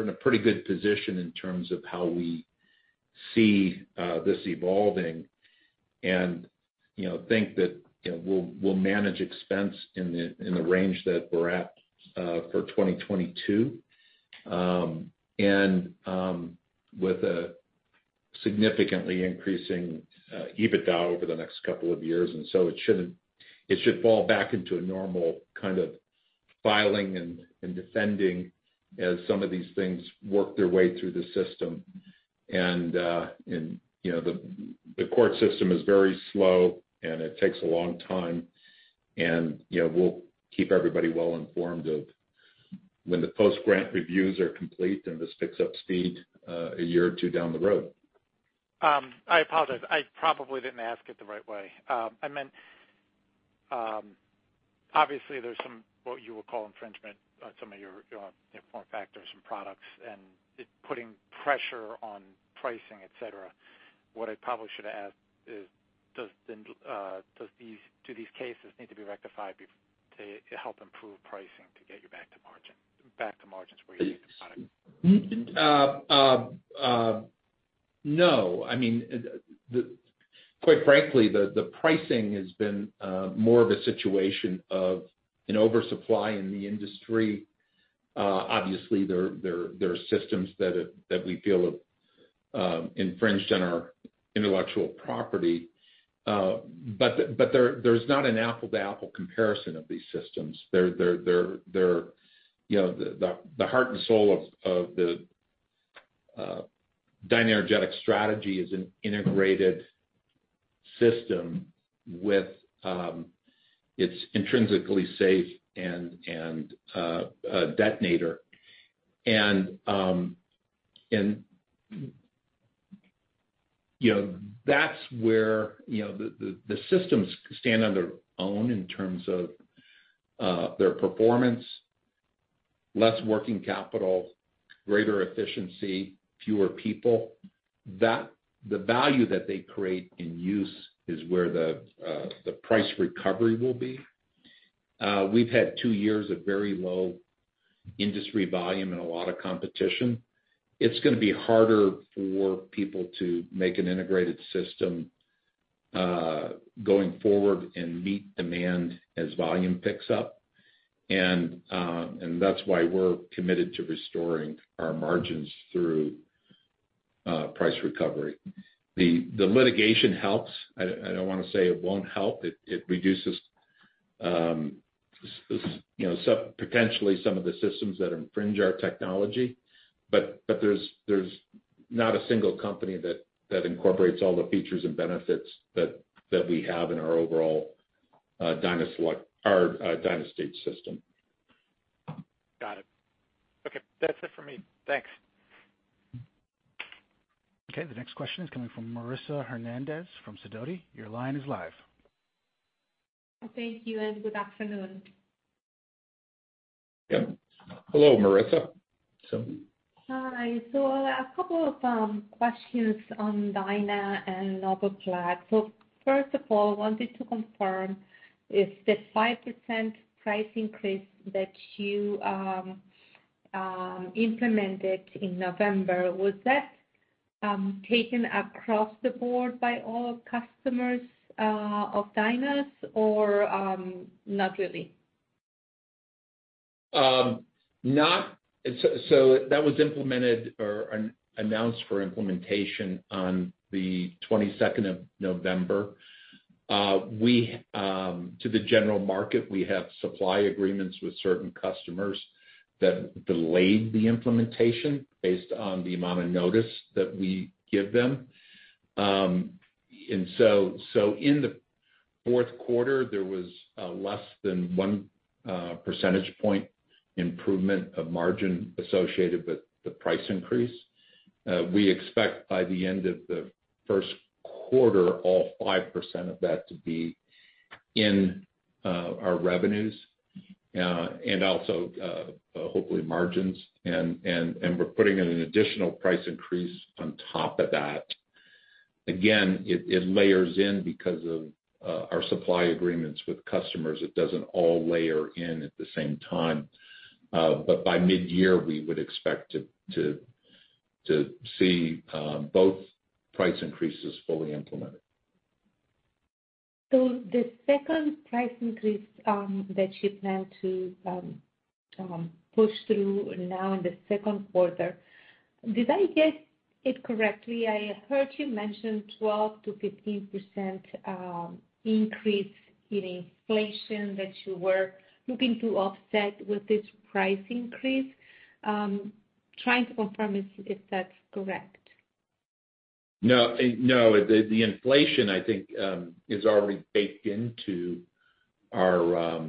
in a pretty good position in terms of how we see this evolving and you know think that you know we'll manage expense in the range that we're at for 2022. With a significantly increasing EBITDA over the next couple of years, and so it should fall back into a normal kind of filing and defending as some of these things work their way through the system. You know the court system is very slow, and it takes a long time. You know we'll keep everybody well informed of when the post-grant reviews are complete and this picks up speed a year or two down the road. I apologize. I probably didn't ask it the right way. I meant, obviously there's some, what you would call infringement on some of your, you know, form factors and products and it putting pressure on pricing, et cetera. What I probably should have asked is, do these cases need to be rectified to help improve pricing to get you back to margin, back to margins where you need the product? No. I mean, quite frankly, the pricing has been more of a situation of an oversupply in the industry. Obviously there are systems that we feel have infringed on our intellectual property. But there is not an apples-to-apples comparison of these systems. They're you know, the heart and soul of the DynaEnergetics strategy is an integrated system with its intrinsically safe and detonator. And you know, that's where the systems stand on their own in terms of their performance, less working capital, greater efficiency, fewer people. The value that they create in use is where the price recovery will be. We've had two years of very low industry volume and a lot of competition. It's gonna be harder for people to make an integrated system going forward and meet demand as volume picks up. That's why we're committed to restoring our margins through price recovery. The litigation helps. I don't wanna say it won't help. It reduces you know some potentially some of the systems that infringe our technology. There's not a single company that incorporates all the features and benefits that we have in our overall DynaSelect DynaStage system. Got it. Okay. That's it for me. Thanks. Okay. The next question is coming from Marisa Hernandez from Sidoti. Your line is live. Thank you, and good afternoon. Yeah. Hello, Marissa. Hi. A couple of questions on Dyna and NobelClad. First of all, I wanted to confirm if the 5% price increase that you implemented in November was taken across the board by all customers of Dyna's or not really? Not so, that was implemented or announced for implementation on the 22nd of November. To the general market, we have supply agreements with certain customers that delayed the implementation based on the amount of notice that we give them. In the fourth quarter, there was less than 1 percentage point improvement of margin associated with the price increase. We expect by the end of the first quarter, all 5% of that to be in our revenues and also hopefully margins. We're putting in an additional price increase on top of that. Again, it layers in because of our supply agreements with customers. It doesn't all layer in at the same time. By mid-year, we would expect to see both price increases fully implemented. The second price increase that you plan to push through now in the second quarter, did I get it correctly? I heard you mention 12%-15% increase in inflation that you were looking to offset with this price increase. Trying to confirm if that's correct. No. The inflation I think is already baked into our.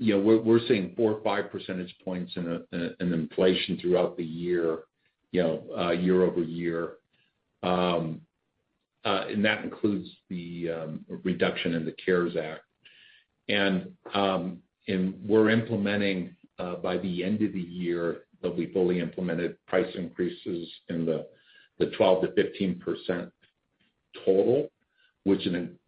You know, we're seeing 4 or 5 percentage points in inflation throughout the year, you know, year-over-year. That includes the reduction in the CARES Act. We're implementing by the end of the year, they'll be fully implemented price increases in the 12%-15% total, which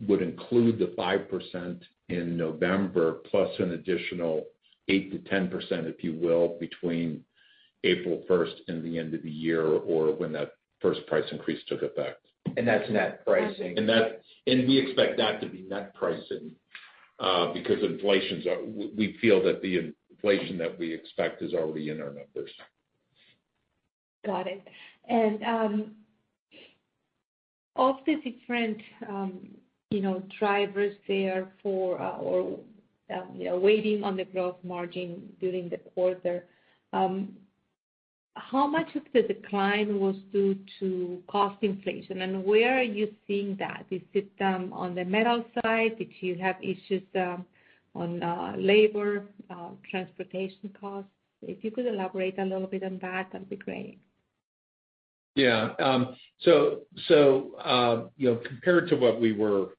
would include the 5% in November, plus an additional 8%-10%, if you will, between April 1 and the end of the year, or when that first price increase took effect. That's net pricing? We expect that to be net pricing because we feel that the inflation that we expect is already in our numbers. Got it. Of the different, you know, drivers there for, or, you know, weighing on the gross margin during the quarter, how much of the decline was due to cost inflation? Where are you seeing that? Is it on the metal side? Did you have issues on labor, transportation costs? If you could elaborate a little bit on that'd be great. Yeah. So, you know, compared to what we were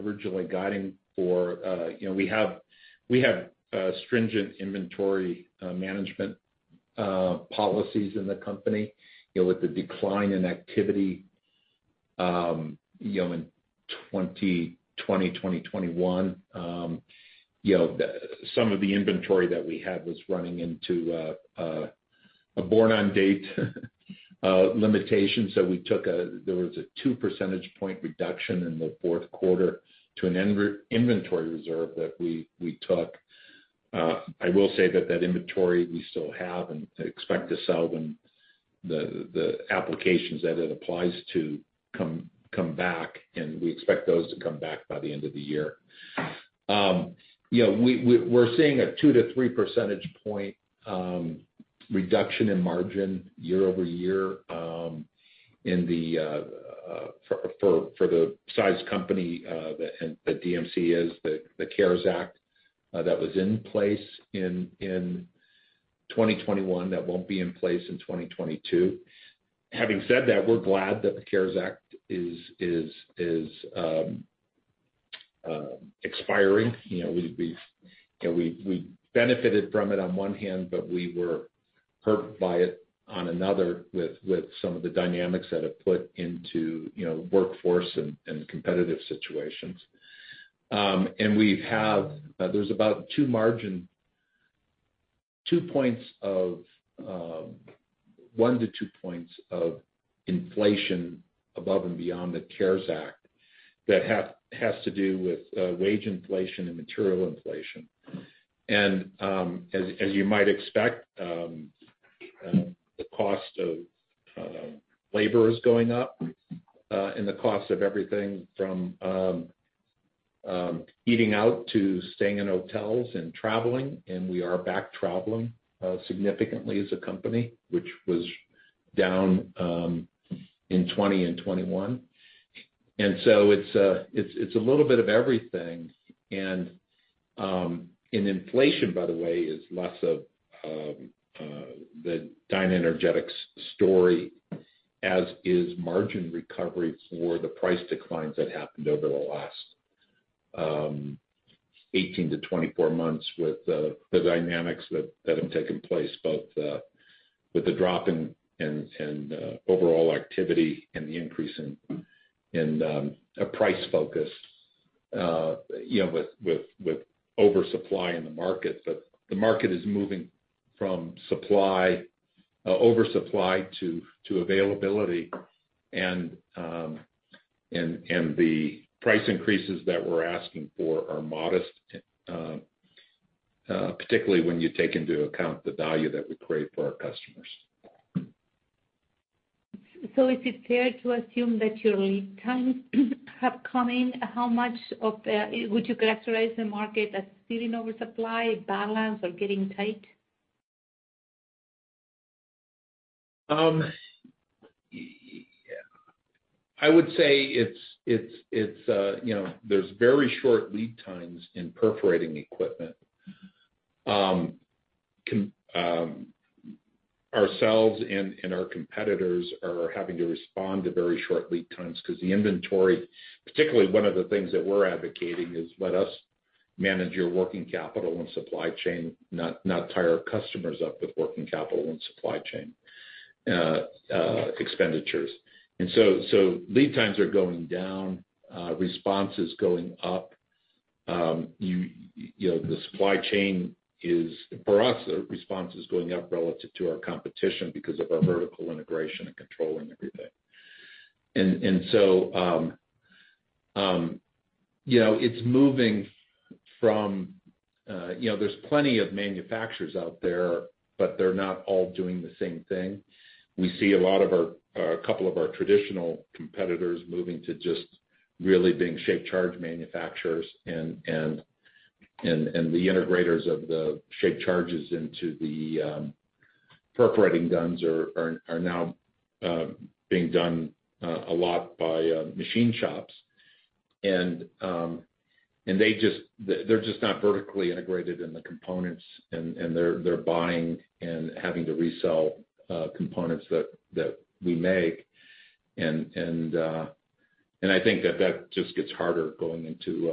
originally guiding for, you know, we have stringent inventory management policies in the company. You know, with the decline in activity, you know, in 2020, 2021, you know, some of the inventory that we had was running into a born-on date limitation. There was a 2 percentage point reduction in the fourth quarter to an inventory reserve that we took. I will say that that inventory we still have and expect to sell when the applications that it applies to come back, and we expect those to come back by the end of the year. You know, we're seeing a 2-3 percentage point reduction in margin year-over-year for a company the size that DMC is, the CARES Act that was in place in 2021 that won't be in place in 2022. Having said that, we're glad that the CARES Act is expiring. You know, we've benefited from it on one hand, but we were hurt by it on another with some of the dynamics that have put into workforce and competitive situations. There's one to two points of inflation above and beyond the CARES Act that has to do with wage inflation and material inflation. As you might expect, the cost of labor is going up, and the cost of everything from eating out to staying in hotels and traveling, and we are back traveling significantly as a company, which was down in 2020 and 2021. It's a little bit of everything. Inflation, by the way, is less of the DynaEnergetics story, as is margin recovery for the price declines that happened over the last 18-24 months with the dynamics that have taken place, both with the drop in overall activity and the increase in a price focus, you know, with oversupply in the market. The market is moving from oversupply to availability. The price increases that we're asking for are modest, particularly when you take into account the value that we create for our customers. Is it fair to assume that your lead times have come in? Would you characterize the market as still in oversupply, balance, or getting tight? Yeah. I would say it's, you know, there's very short lead times in perforating equipment. Ourselves and our competitors are having to respond to very short lead times 'cause the inventory. Particularly one of the things that we're advocating is let us manage your working capital and supply chain, not tie our customers up with working capital and supply chain expenditures. Lead times are going down, response is going up. You know, the supply chain is, for us, the response is going up relative to our competition because of our vertical integration and controlling everything. You know, it's moving from, you know, there's plenty of manufacturers out there, but they're not all doing the same thing. We see a couple of our traditional competitors moving to just really being shaped charge manufacturers and the integrators of the shaped charges into the perforating guns are now being done a lot by machine shops. They're just not vertically integrated in the components, and they're buying and having to resell components that we make. I think that just gets harder going into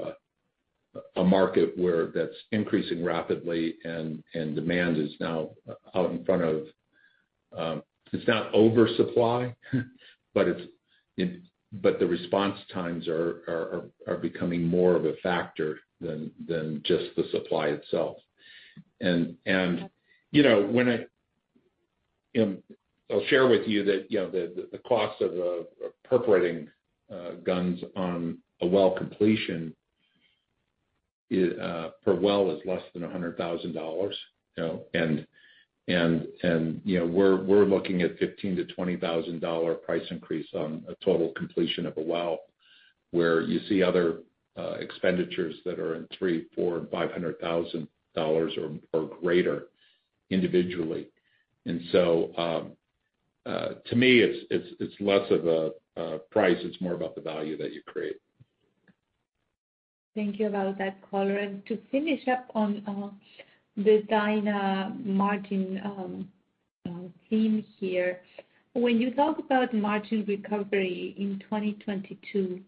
a market where that's increasing rapidly and demand is now out in front of. It's not oversupply, but the response times are becoming more of a factor than just the supply itself. You know, when it. You know, I'll share with you that, you know, the cost of perforating guns on a well completion per well is less than $100,000, you know. You know, we're looking at $15,000-$20,000 price increase on a total completion of a well, where you see other expenditures that are in $300,000, $400,000, $500,000 or greater individually. To me, it's less of a price, it's more about the value that you create. Thank you for that color. To finish up on the Dyna margin theme here. When you talk about margin recovery in 2022,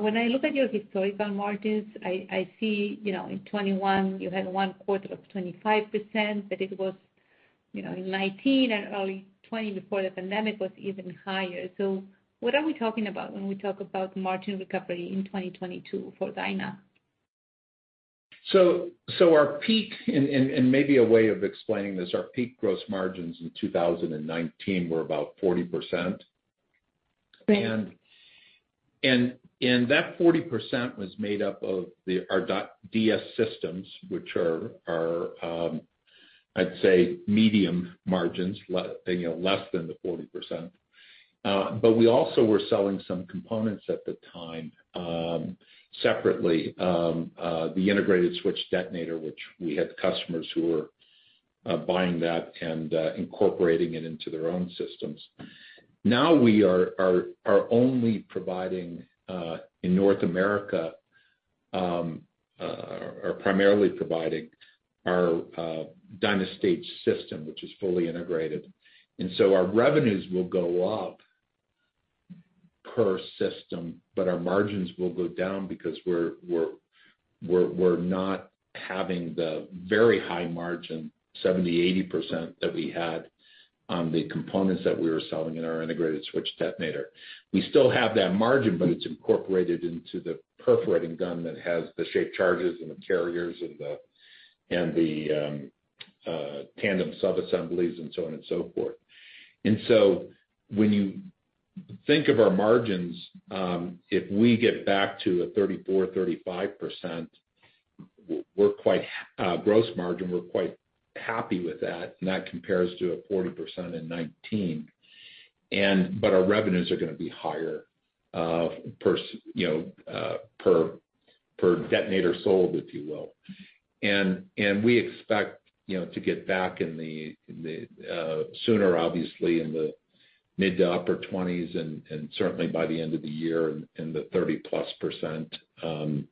when I look at your historical margins, I see, you know, in 2021 you had one quarter of 25%, but it was, you know, in 2019 and early 2020 before the pandemic was even higher. What are we talking about when we talk about margin recovery in 2022 for Dyna? Maybe a way of explaining this, our peak gross margins in 2019 were about 40%. Great. That 40% was made up of our DS systems, which are I'd say medium margins, you know, less than the 40%. But we also were selling some components at the time, separately, the integrated switch detonator, which we had customers who were buying that and incorporating it into their own systems. Now we are only providing in North America, are primarily providing our DynaStage system, which is fully integrated. Our revenues will go up per system, but our margins will go down because we're not having the very high margin, 70%-80% that we had on the components that we were selling in our integrated switch detonator. We still have that margin, but it's incorporated into the perforating gun that has the shaped charges and the carriers and the tandem sub-assemblies and so on and so forth. When you think of our margins, if we get back to a 34%-35%, we're quite happy with that gross margin, and that compares to a 40% in 2019. Our revenues are gonna be higher, per detonator sold, if you will. We expect, you know, to get back sooner, obviously, in the mid- to upper 20s% and certainly by the end of the year in the 30+%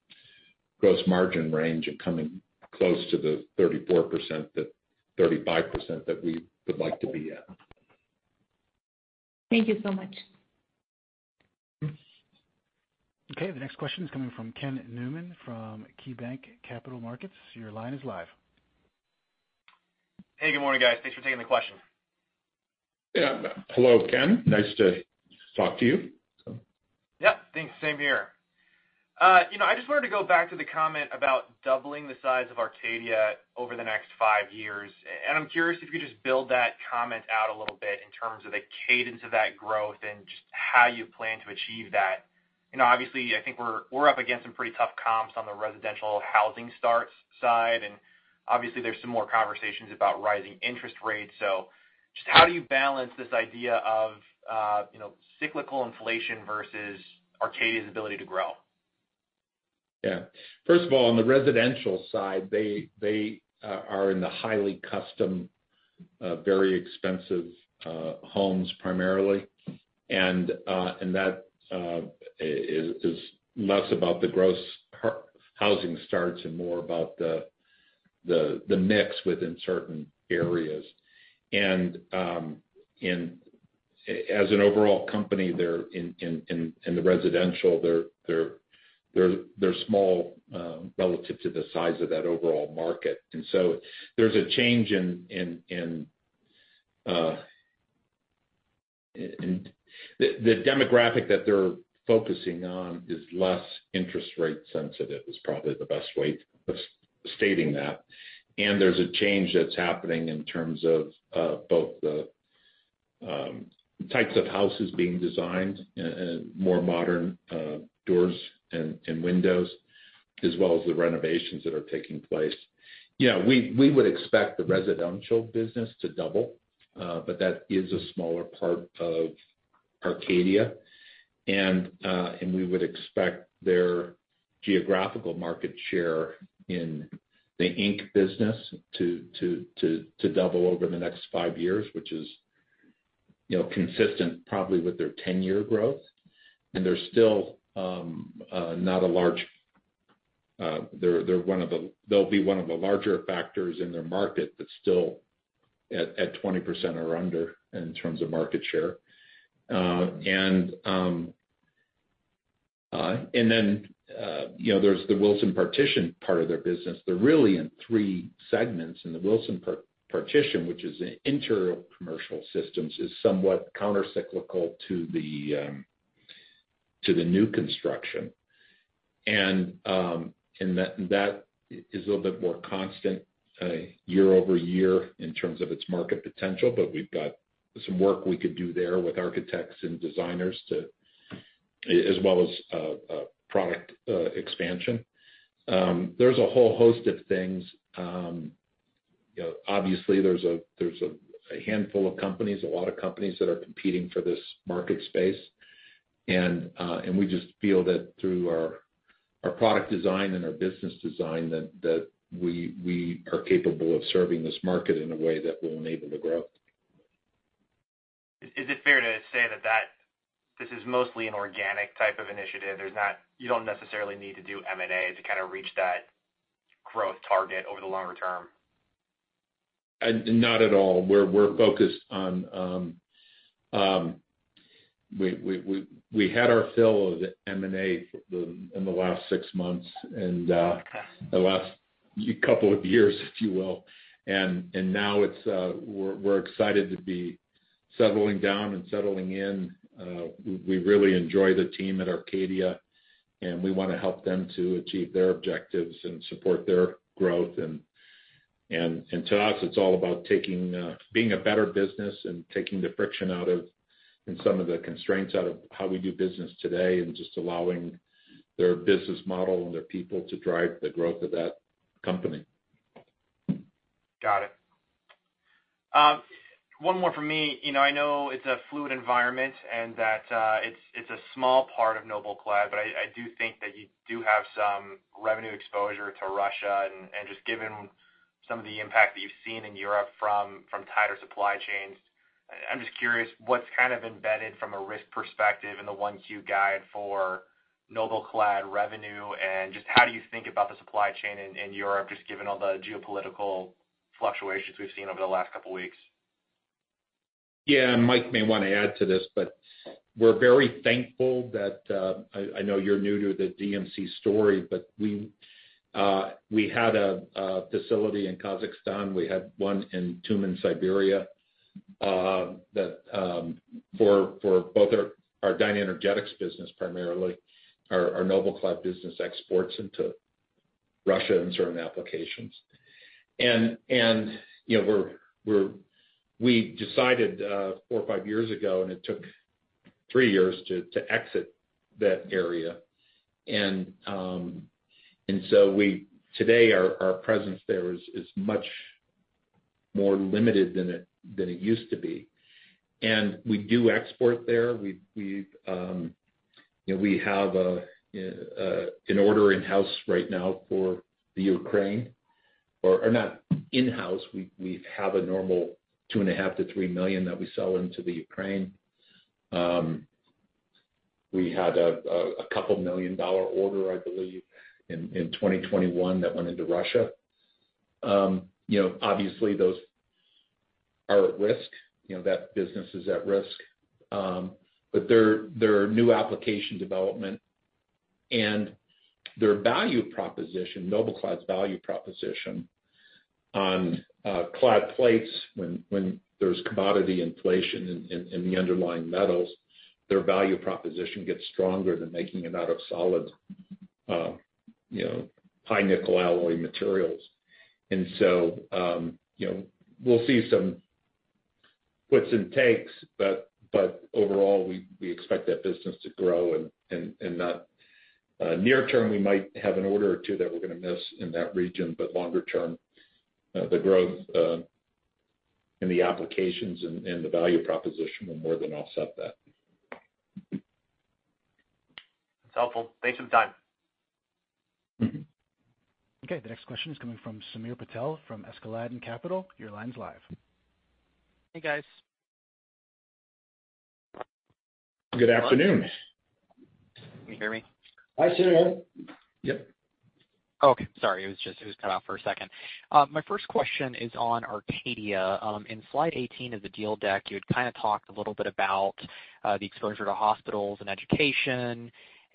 gross margin range of coming close to the 34%, that 35% that we would like to be at. Thank you so much. Okay. The next question is coming from Ken Newman from KeyBanc Capital Markets. Your line is live. Hey, good morning, guys. Thanks for taking the question. Yeah. Hello, Ken. Nice to talk to you. Yeah. Thanks. Same here. You know, I just wanted to go back to the comment about doubling the size of Arcadia over the next five years. I'm curious if you could just build that comment out a little bit in terms of the cadence of that growth and just how you plan to achieve that. You know, obviously, I think we're up against some pretty tough comps on the residential housing starts side, and obviously there's some more conversations about rising interest rates. Just how do you balance this idea of, you know, cyclical inflation versus Arcadia's ability to grow? Yeah. First of all, on the residential side, they are in the highly custom, very expensive, homes primarily. That is less about housing starts and more about the mix within certain areas. As an overall company, they're in the residential, they're small relative to the size of that overall market. The demographic that they're focusing on is less interest rate sensitive, is probably the best way of stating that. There's a change that's happening in terms of both the types of houses being designed, more modern doors and windows, as well as the renovations that are taking place. Yeah, we would expect the residential business to double, but that is a smaller part of Arcadia. We would expect their geographical market share in the Arcadia Inc. business to double over the next 5 years, which is, you know, consistent probably with their 10-year growth. They're still not large. They're one of the larger factors in their market, but still at 20% or under in terms of market share. You know, there's the Wilson Partitions part of their business. They're really in three segments, and the Wilson Partitions, which is an interior commercial systems, is somewhat countercyclical to the new construction. That is a little bit more constant year-over-year in terms of its market potential. We've got some work we could do there with architects and designers as well as product expansion. There's a whole host of things, you know, obviously there's a handful of companies, a lot of companies that are competing for this market space. We just feel that through our product design and our business design, that we are capable of serving this market in a way that will enable the growth. Is it fair to say that this is mostly an organic type of initiative? You don't necessarily need to do M&A to kind of reach that growth target over the longer term? Not at all. We had our fill of M&A in the last six months and the last couple of years, if you will. Now we're excited to be settling down and settling in. We really enjoy the team at Arcadia, and we wanna help them to achieve their objectives and support their growth. To us, it's all about being a better business and taking the friction out of and some of the constraints out of how we do business today, and just allowing their business model and their people to drive the growth of that company. Got it. One more from me. You know, I know it's a fluid environment and that, it's a small part of NobelClad, but I do think that you do have some revenue exposure to Russia. Just given some of the impact that you've seen in Europe from tighter supply chains, I'm just curious what's kind of embedded from a risk perspective in the 1Q guide for NobelClad revenue, and just how do you think about the supply chain in Europe, just given all the geopolitical fluctuations we've seen over the last couple weeks? Yeah. Mike may wanna add to this, but we're very thankful that, I know you're new to the DMC story, but we had a facility in Kazakhstan. We had one in Tyumen, Siberia, that for both our DynaEnergetics business primarily, our NobelClad business exports into Russia in certain applications. You know, we decided four or five years ago, and it took three years to exit that area. Today, our presence there is much more limited than it used to be. We do export there. You know, we have an order in-house right now for the Ukraine. Or not in-house. We have a normal $2.5 million-$3 million that we sell into the Ukraine. We had a couple million-dollar order, I believe, in 2021 that went into Russia. You know, obviously, those are at risk. You know, that business is at risk. But their new application development and their value proposition, NobelClad's value proposition on clad plates when there's commodity inflation in the underlying metals, their value proposition gets stronger than making it out of solid, you know, high nickel alloy materials. You know, we'll see some puts and takes, but overall, we expect that business to grow. Near term, we might have an order or two that we're gonna miss in that region. Longer term, the growth and the applications and the value proposition will more than offset that. That's helpful. Thanks for the time. Mm-hmm. Okay, the next question is coming from Samir Patel from Askeladden Capital. Your line is live. Hey, guys. Good afternoon. Can you hear me? Hi, Sameer. Yep. Okay, sorry. It was cut off for a second. My first question is on Arcadia. In slide 18 of the deal deck, you had kinda talked a little bit about the exposure to hospitals and education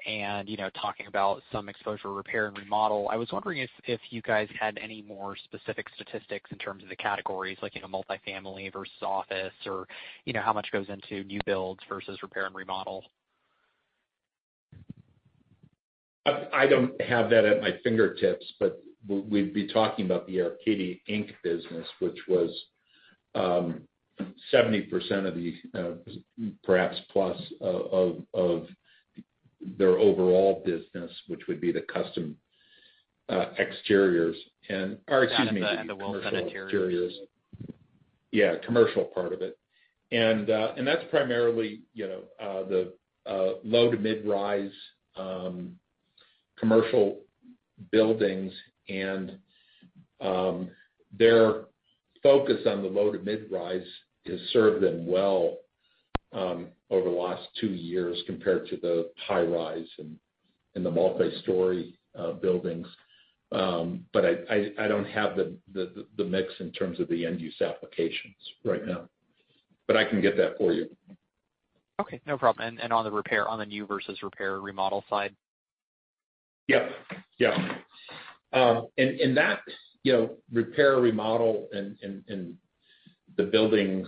and, you know, talking about some exposure to repair and remodel. I was wondering if you guys had any more specific statistics in terms of the categories, like, you know, multifamily versus office, or, you know, how much goes into new builds versus repair and remodel. I don't have that at my fingertips, but we'd be talking about the Arcadia Inc. business, which was 70% of the perhaps plus of their overall business, which would be the custom exteriors. Got it. The Wilson Partitions Commercial exteriors. Yeah, commercial part of it. That's primarily the low to mid-rise commercial buildings and their focus on the low to mid-rise has served them well over the last two years compared to the high rise and the multi-story buildings. I don't have the mix in terms of the end use applications right now, but I can get that for you. Okay, no problem. On the new versus repair remodel side? Yep. That, you know, repair, remodel and the building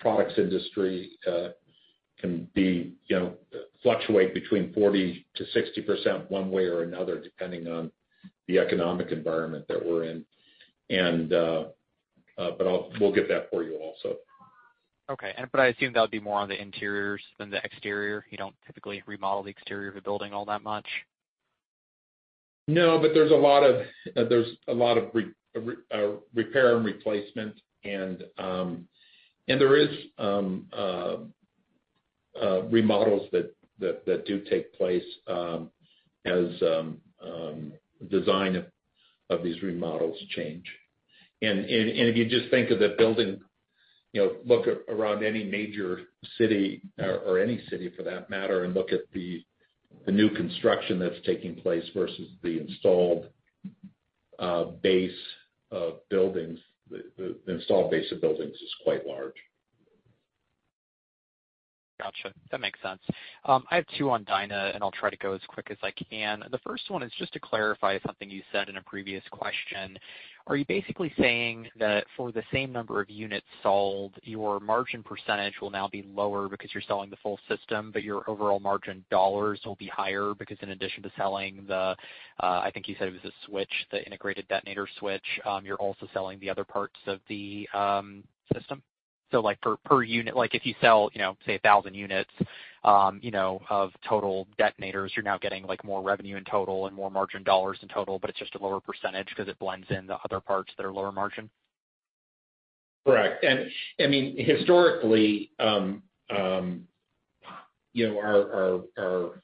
products industry can, you know, fluctuate between 40%-60% one way or another, depending on the economic environment that we're in. But we'll get that for you also. Okay. I assume that would be more on the interiors than the exterior. You don't typically remodel the exterior of a building all that much. No, but there's a lot of repair and replacement and there is remodels that do take place as design of these remodels change. If you just think of the building, you know, look around any major city or any city for that matter, and look at the new construction that's taking place versus the installed base of buildings. The installed base of buildings is quite large. Gotcha. That makes sense. I have two on Dyna, and I'll try to go as quick as I can. The first one is just to clarify something you said in a previous question. Are you basically saying that for the same number of units sold, your margin percentage will now be lower because you're selling the full system, but your overall margin dollars will be higher because in addition to selling the, I think you said it was a switch, the integrated switch detonator, you're also selling the other parts of the, system? So like per unit. Like if you sell, you know, say 1,000 units, you know, of total detonators, you're now getting like more revenue in total and more margin dollars in total, but it's just a lower percentage 'cause it blends in the other parts that are lower margin? Correct. I mean, historically, you know,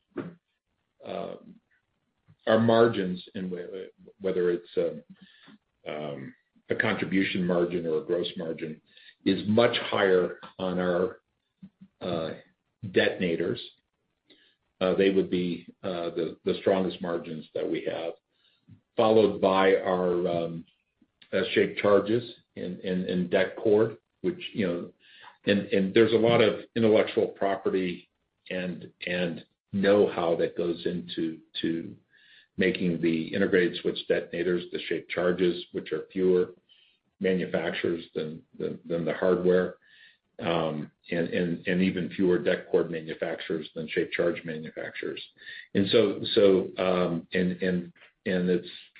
our margins and whether it's a contribution margin or a gross margin is much higher on our detonators. They would be the strongest margins that we have, followed by our shaped charges and detcord, which, you know. There's a lot of intellectual property and know-how that goes into making the integrated switch detonators, the shaped charges, which are fewer manufacturers than the hardware, and even fewer detcord manufacturers than shaped charge manufacturers. It's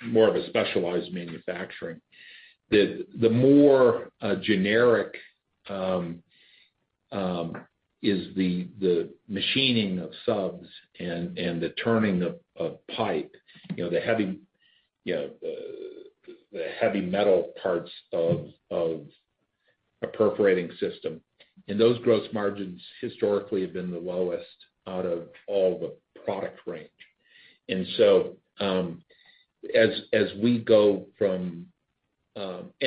more of a specialized manufacturing. The more generic is the machining of subs and the turning of pipe, you know, the heavy metal parts of a perforating system. Those gross margins historically have been the lowest out of all the product range.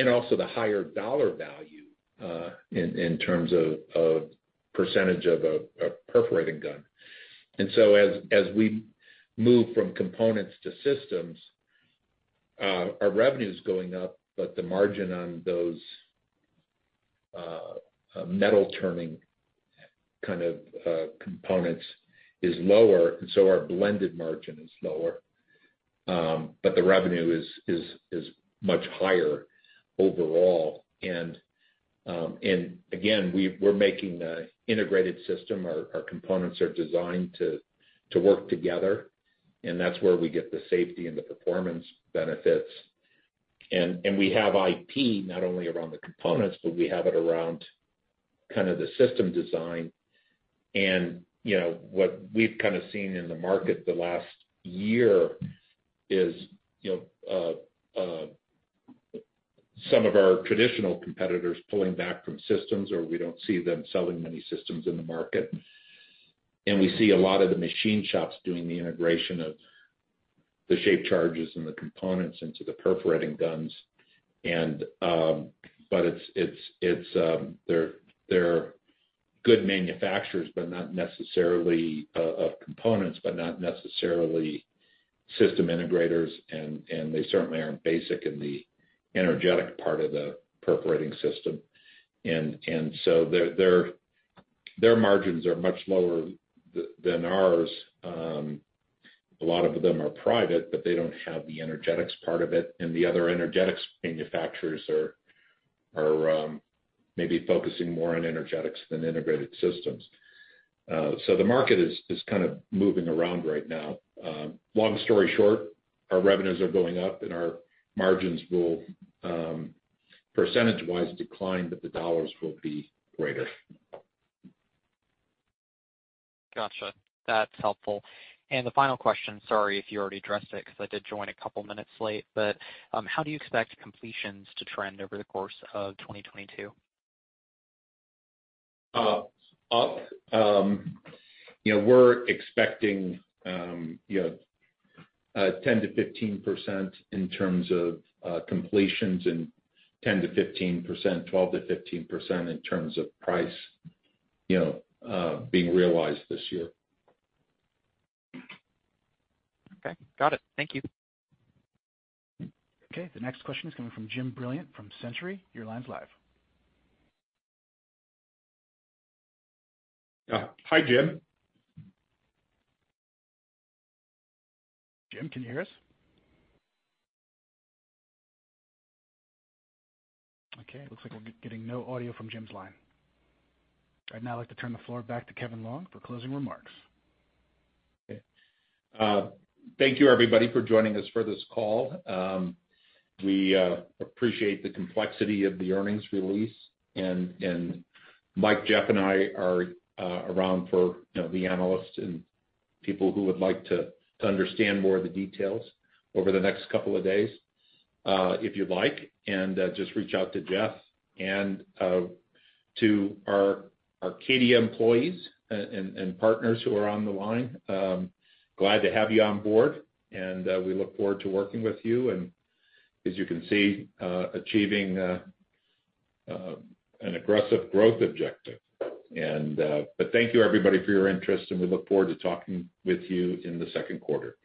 Also the higher dollar value in terms of percentage of a perforating gun. As we move from components to systems, our revenue is going up, but the margin on those metal turning kind of components is lower, and so our blended margin is lower. But the revenue is much higher overall. Again, we're making an integrated system. Our components are designed to work together, and that's where we get the safety and the performance benefits. We have IP not only around the components, but we have it around kind of the system design. You know, what we've kind of seen in the market the last year is, you know, some of our traditional competitors pulling back from systems or we don't see them selling many systems in the market. We see a lot of the machine shops doing the integration of the shaped charges and the components into the perforating guns. But they're good manufacturers, but not necessarily components, but not necessarily system integrators. They certainly aren't based in the energetics part of the perforating system. So their margins are much lower than ours. A lot of them are private, but they don't have the energetics part of it. The other energetics manufacturers are maybe focusing more on energetics than integrated systems. The market is kind of moving around right now. Long story short, our revenues are going up and our margins will percentage-wise decline, but the dollars will be greater. Gotcha. That's helpful. The final question, sorry if you already addressed it, because I did join a couple minutes late, but how do you expect completions to trend over the course of 2022? You know, we're expecting 10%-15% in terms of completions and 12%-15% in terms of price, you know, being realized this year. Okay. Got it. Thank you. Okay. The next question is coming from Jim Brilliant from Century. Your line is live. Yeah. Hi, Jim. Jim, can you hear us? Okay, it looks like we're getting no audio from Jim's line. I'd now like to turn the floor back to Kevin Longe for closing remarks. Okay. Thank you everybody for joining us for this call. We appreciate the complexity of the earnings release and Mike, Jeff, and I are around for, you know, the analysts and people who would like to understand more of the details over the next couple of days, if you'd like. To our key employees and partners who are on the line, glad to have you on board, and we look forward to working with you and as you can see, achieving an aggressive growth objective. Thank you everybody for your interest, and we look forward to talking with you in the second quarter.